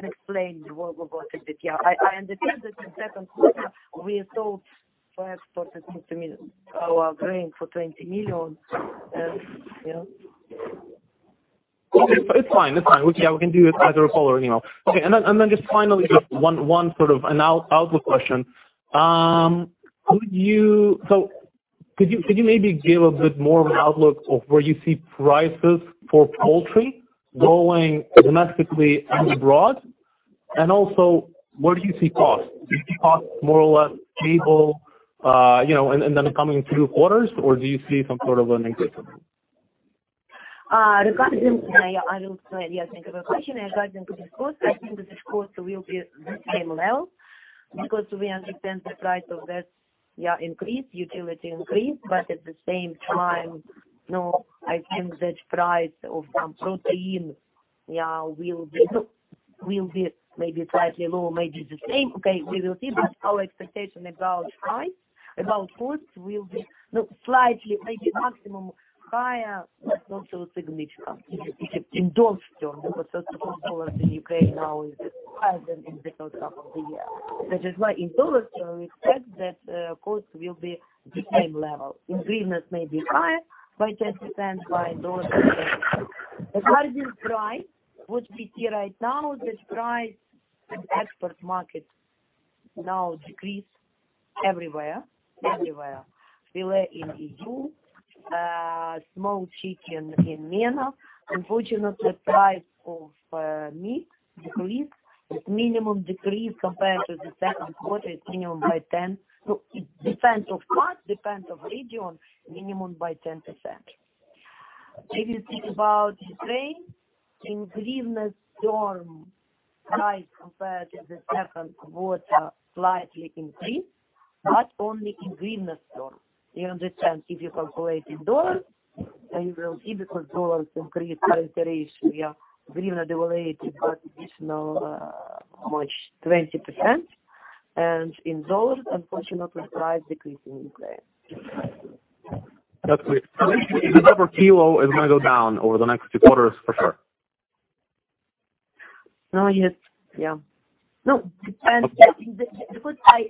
explain what we got from this. I understand that in second quarter we sold for export $20 million, our grain for $20 million. It's fine. We can do it either a call or email. Okay. Then just finally, one sort of an outlook question. Could you maybe give a bit more of an outlook of where you see prices for poultry growing domestically and abroad? And also, where do you see costs? Do you see costs more or less stable in the coming few quarters? Or do you see some sort of an increase? Regarding, I will explain. Yes, thank you for the question. Regarding to this cost, I think that this cost will be the same level, because we understand the price of that increase, utility increase. But at the same time, you know, I think that price of some protein will be maybe slightly lower, maybe the same. Okay, we will see. Our expectation about price, about costs will be slightly, maybe maximum higher, but not so significant in dollar term, because the cost of dollars in Ukraine now is higher than in the first half of the year. That is why in dollar term, we expect that costs will be the same level. In hryvnia may be higher by 10%, by those. Regarding price, what we see right now, this price, export market now decrease everywhere. Everywhere. Fillet in EU, small chicken in MENA. Unfortunately, price of meat decrease. It's minimum decrease compared to the second quarter. It's minimum by 10. So it depends of month, depends of region, minimum by 10%. If you think about Ukraine, in hryvnia term, price compared to the second quarter slightly increase, but only in hryvnia term. You understand, if you calculate in dollars, and you will see, because dollars increase by appreciation, yeah. Hryvnia devalued by additional, almost 20%. In dollars, unfortunately, price decrease in Ukraine. That's clear. The number kilo is gonna go down over the next few quarters for sure. No, yes. Yeah. No, depends. Because I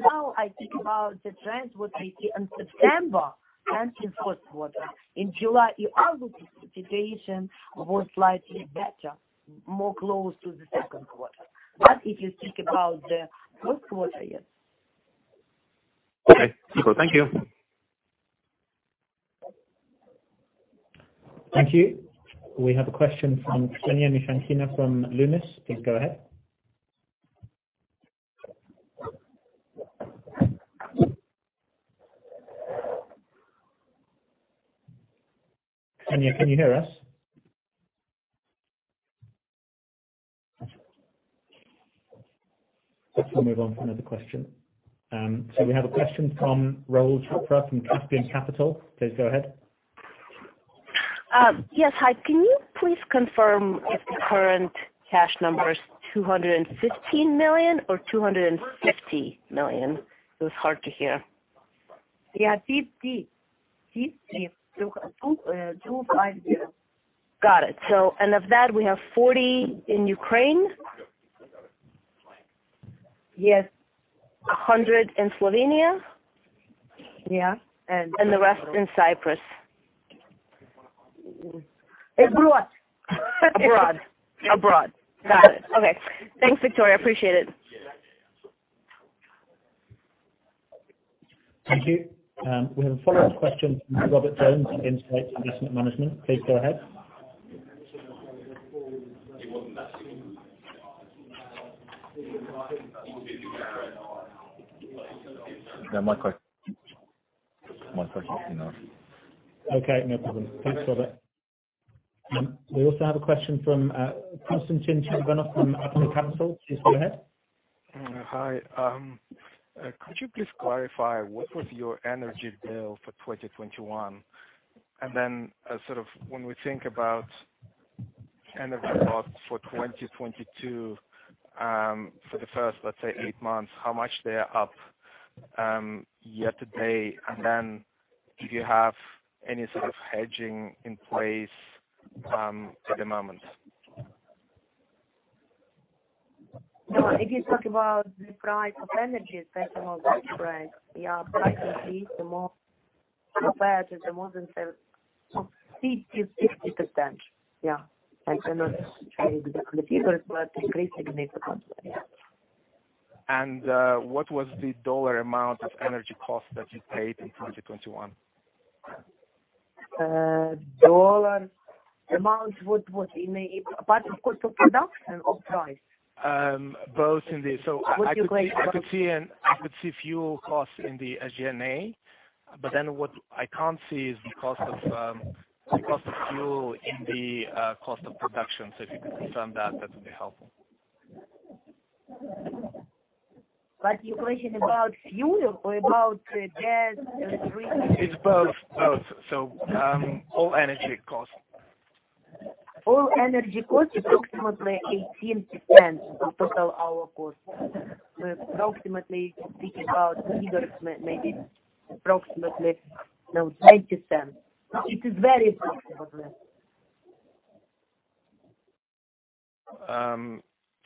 now think about the trends what we see in September and in first quarter. In July, yeah, obviously, situation was slightly better, more close to the second quarter. If you think about the first quarter, yes. Okay, cool. Thank you. Thank you. We have a question from Ksenia Michankina from Lumis. Please go ahead. Ksenia, can you hear us? Let's move on to another question. We have a question from Rahul Chopra from Caspian Capital. Please go ahead. Yes, hi. Can you please confirm if the current cash number is $215 million or $250 million? It was hard to hear. Yeah, *audio distortion* Got it. So and of that, we have 40 in Ukraine? Yes. 100 in Slovenia? Yeah. The rest in Cyprus. Abroad. Abroad. Got it. Okay. Thanks, Viktoria. Appreciate it. Thank you. We have a follow-up question from Robert Jones at Insight Investment Management. Please go ahead. No, my question has been answered. Okay, no problem. Thanks, Robert. We also have a question from Konstantin Karchinov from Veld Capital. Please go ahead. Hi. Could you please clarify what was your energy bill for 2021? Sort of when we think about energy costs for 2022, for the first, let's say, eight months, how much they are up year to date, and do you have any sort of hedging in place at the moment? No. If you talk about the price of energy, speaking of natural gas, yeah, prices increased more compared to the more than 50%, 60%. Yeah. Like, I not share exactly the figures, but increase significant, yeah. What was the dollar amount of energy costs that you paid in 2021? Dollar amount would be maybe part of cost of production or price? *audio distortion* I could see fuel costs in the agenda, but what I can't see is the cost of fuel in the cost of production. If you could confirm that would be helpful. Your question about fuel or about gas, electricity? It's both. All energy costs. All energy costs, approximately 18% of total our costs. Approximately speaking about figures, maybe approximately, you know, $0.20. It is very approximately.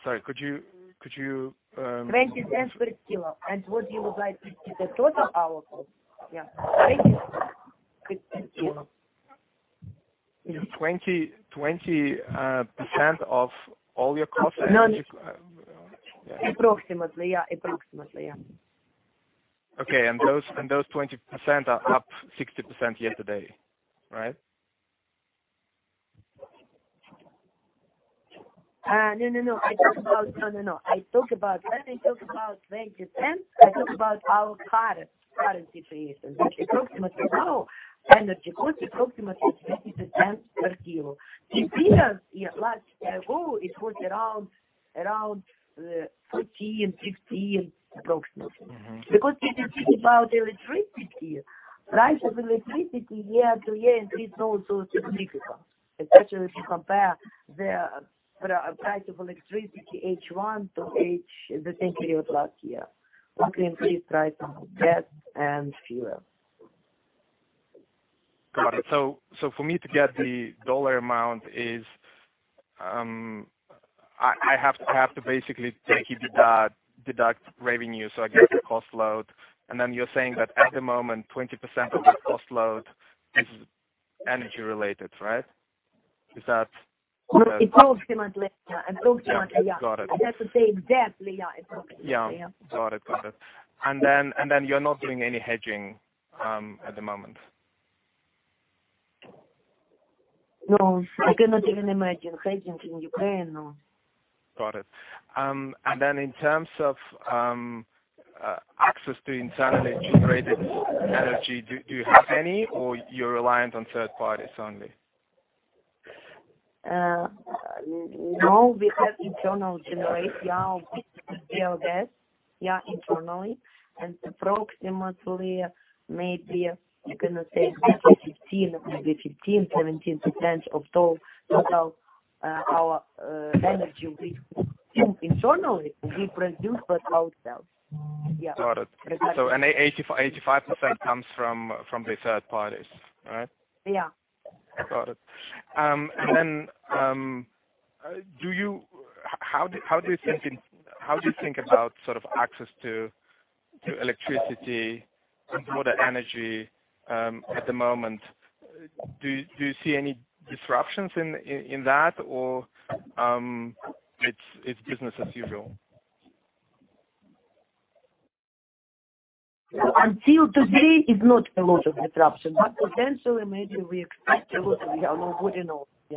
Sorry, could you $0.20 per kilo. What you would like to see the total our cost? Yeah. $0.20 per kilo. 20% of all your costs energy No, approximately, yeah. Okay. Those 20% are up 60% year to date, right? No. When I talk about 20%, I talk about our current situation, which approximately now energy cost approximately 20% per kilo. This year, yeah, last year, ago, it was around 14, 15 approximately. Because if you think about electricity, price of electricity year-over-year increased also significant, especially if you compare the price of electricity H1 to H2 the same period last year. We can increase price on gas and fuel. Got it. For me to get the dollar amount is, I have to basically take EBITDA, deduct revenue, so I get the cost load. Then you're saying that at the moment, 20% of that cost load is energy related, right? Is that correct? Approximately, yeah. Got it. I have to say exactly, yeah. Approximately, yeah. Yeah. Got it. You're not doing any hedging at the moment? No, I cannot even imagine hedging in Ukraine. No. Got it. And then in terms of access to internally generated energy, do you have any or you're reliant on third parties only? No, we have internal generation of gas. Yeah, internally. Approximately maybe I cannot say maybe 15%, 17% of total our energy we generate internally. We produce by ourselves. Yeah. Got it. 85% comes from the third parties, right? Yeah. Got it. And then how do you think about sort of access to electricity and for the energy at the moment? Do you see any disruptions in that or it's business as usual? Until today is not a lot of disruption. Potentially, maybe we expect a lot. We are not good enough. Yeah.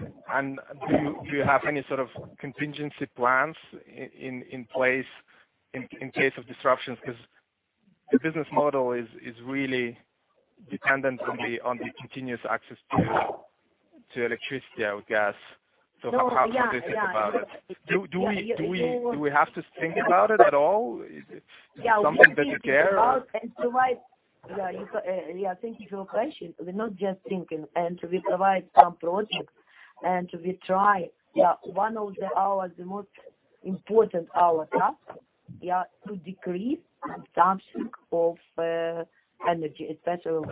Do you have any sort of contingency plans in place in case of disruptions? Because your business model is really dependent on the continuous access to electricity or gas. No, yeah. How should we think about it? Do we have to think about it at all? Something that you care about? Thank you for your question. We're not just thinking, and we provide some projects and we try. One of our most important tasks to decrease consumption of energy, especially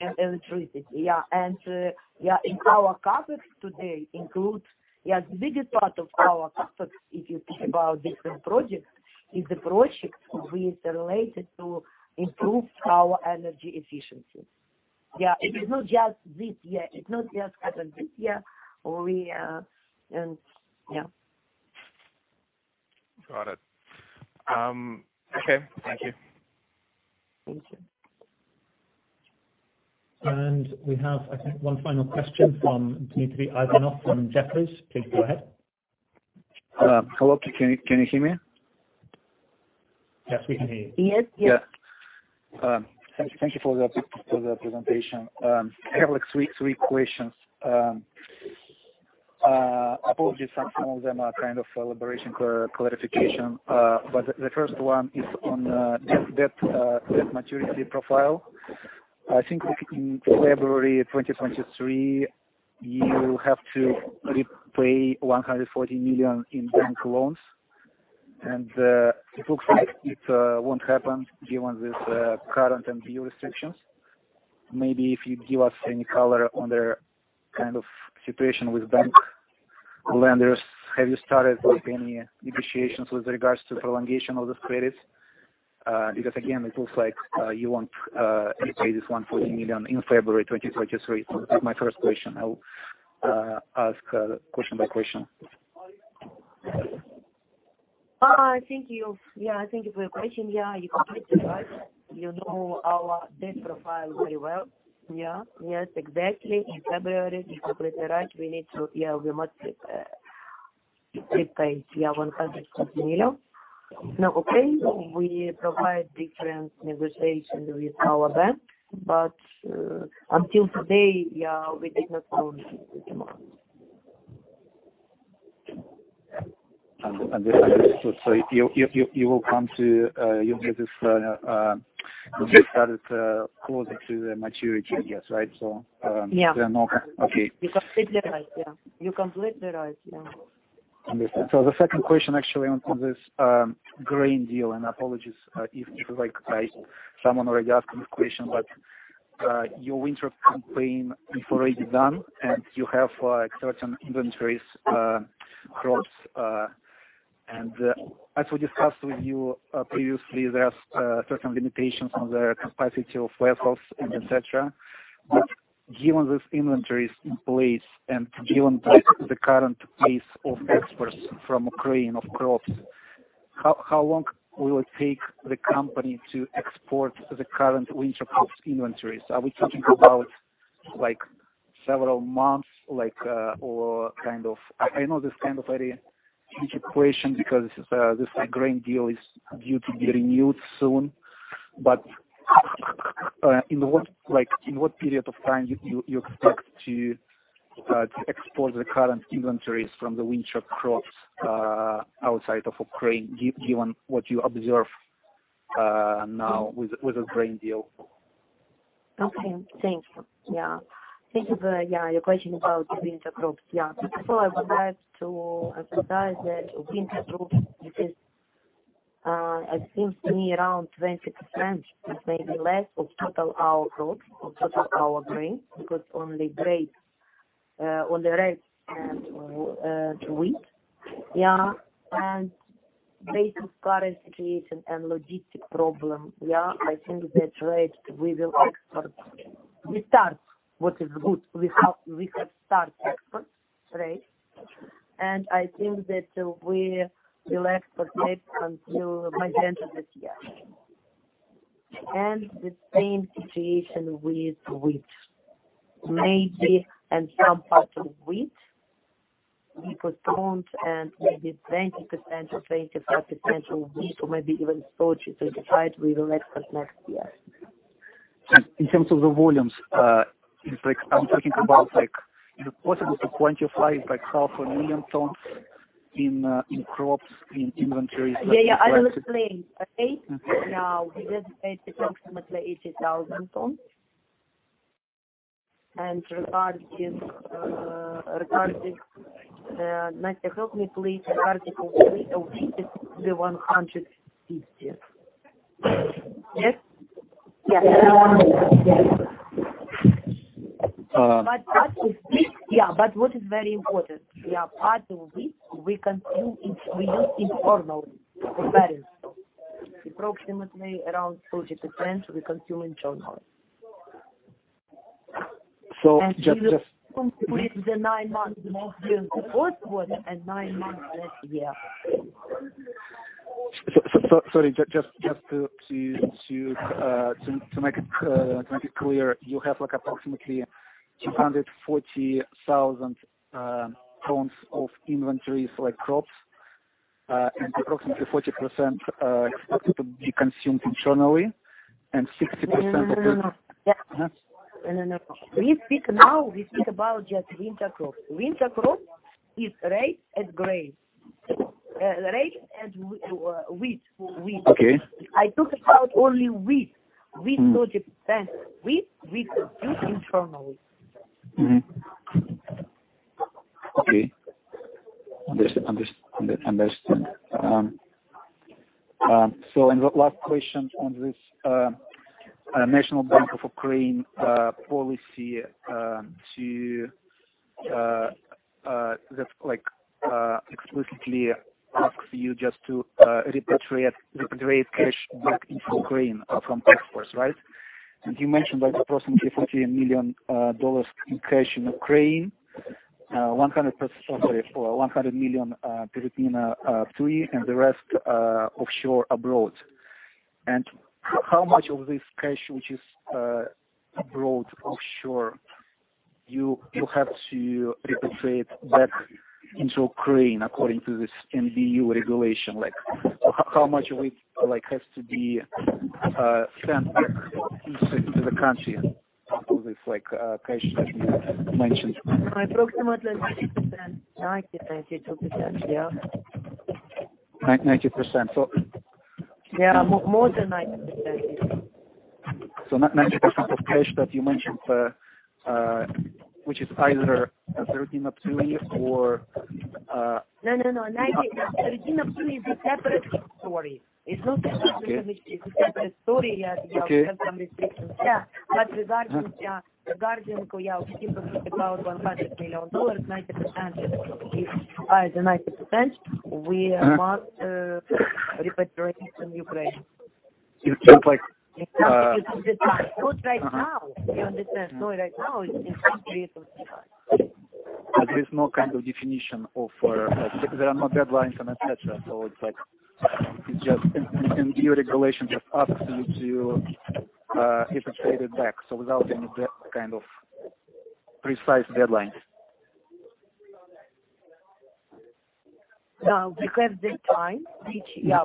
and electricity. Our targets today includes. The biggest part of our targets, if you think about different projects, is the projects which related to improve our energy efficiency. It is not just this year. It's not just current this year. Got it. Okay. Thank you. Thank you. We have, I think, one final question from Dmitry Ivanov from Jefferies. Please go ahead. Hello. Can you hear me? Yes, we can hear you. Yes. Yes. Yeah. Thank you for the presentation. I have like three questions. Apologies if some of them are kind of elaboration or clarification. The first one is on debt maturity profile. I think in February 2023, you have to repay $140 million in bank loans, and it looks like it won't happen given this current FX restrictions. Maybe if you give us any color on the kind of situation with bank lenders. Have you started, like, any negotiations with regards to the prolongation of this credit? Because again, it looks like you won't repay this $140 million in February 2023. That's my first question. I'll ask question by question. Thank you. Thank you for your question. You're completely right. You know our debt profile very well. Yes, exactly. In February, you're completely right, we must repay $140 million. Now, we provide different negotiations with our bank. Until today, we did not close this amount. Understand. You will come to, you will get this, you will get that closer to the maturity, I guess, right? Yeah. Okay. You're completely right. Yeah. Understood. The second question actually on this Grain Deal, and apologies, if like someone already asked this question. Your winter campaign is already done, and you have certain inventories, crops, and as we discussed with you previously, there's certain limitations on the capacity of vessels and et cetera. Given this inventory is in place and given the current pace of exports from Ukraine of crops, how long will it take the company to export the current winter crops inventories? Are we talking about several months, or kind of? I know this kind of very huge equation because this Grain Deal is due to be renewed soon. But in what period of time you expect to export the current inventories from the winter crops outside of Ukraine given what you observe now with the Grain Deal? Okay. Thank you. Yeah. Thank you for your question about the winter crops. I would like to emphasize that winter crops, it is, it seems to me around 20%, but maybe less of total area of total our grain, because only rapeseed, only rye and wheat. Based on current situation and logistics problems, I think that, right, we will export. We start, what is good, we have started exports, right? I think that we will export maybe until mid-end of this year. The same situation with wheat. Maybe in some parts of wheat, we postponed, and maybe 20% or 25% of wheat or maybe even 30%-35% we will export next year. In terms of the volumes, it's like I'm talking about, like, is it possible to quantify it by 500,000 tons in crops, in inventories? Yeah, yeah. I will explain. Okay. Mm-hmm. Now, we just paid approximately 80,000 tons. Anastasiya, help me please. Regarding wheat is the 150. Yes? Yes. As with wheat. But what is very important, yeah. Part of wheat we consume it, we use internal for barley. Approximately around 40% we consume internal. Just We will complete the nine months more during the fourth quarter and nine months next year. Sorry. Just to make it clear, you have like approximately 240,000 tons of inventories like crops, and approximately 40% expected to be consumed internally and 60%. No. Huh? No, no. We speak now, we speak about just winter crop. Winter crop is rye and wheat. Okay. I talk about only wheat Wheat project. Wheat, we produce internally. Understood. Last question on this National Bank of Ukraine policy that explicitly asks you just to repatriate cash back into Ukraine or from exports, right? You mentioned like approximately $40 million in cash in Ukraine, 100 million hryvnia, 30%, and the rest offshore abroad. How much of this cash which is abroad offshore you have to repatriate back into Ukraine according to this NBU regulation? Like, how much of it like has to be sent back into the country of this like cash that you mentioned? Approximately 90%. 90%, 92%. Yeah. 90%. Yeah. More than 90%. 90% of cash that you mentioned, which is either as *audio distortion* or, No, no. *audio distortion* is a separate story. It's not the same. Okay. It's a separate story. Yeah. Okay. We have some restrictions. Regarding, we speak about $100 million, 90% we must repatriate it in Ukraine. It's like, Because right now, you understand. Right now it's in three-five. There's no kind of definition of. There are no deadlines and et cetera, so it's like it's just NBU regulation just asks you to repatriate it back, so without any kind of precise deadlines. Now, we have the time, which, yeah.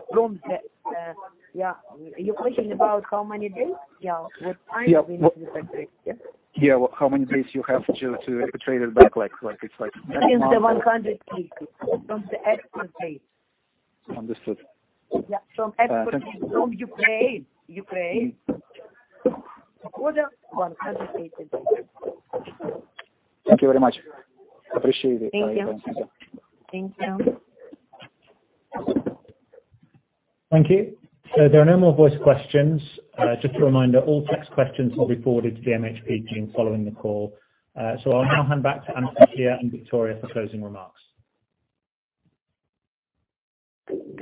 Yeah. You're questioning about how many days? Yeah. What time we need to repatriate, yeah? Yeah. How many days you have to repatriate it back, like, it's like a month? Since the 180 from the export date. Understood. Yeah. From export data from Ukraine. Q1 180 days. Thank you very much. Appreciate it. Thank you. Thank you. There are no more voice questions. Just a reminder, all text questions will be forwarded to the MHP team following the call. I'll now hand back to Anastasiya and Viktoria for closing remarks.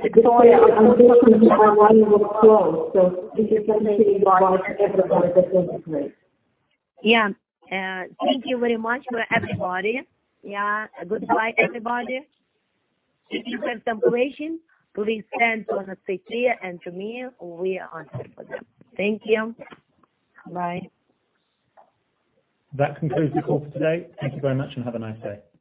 Victoria, I'm looking to have one more close. Is there something you'd like everybody to think of please? Yeah. Thank you very much for everybody. Yeah. Goodbye, everybody. If you have any questions, please send to Anastasiya and to me. We are here for you. Thank you. Bye. That concludes the call for today. Thank you very much, and have a nice day.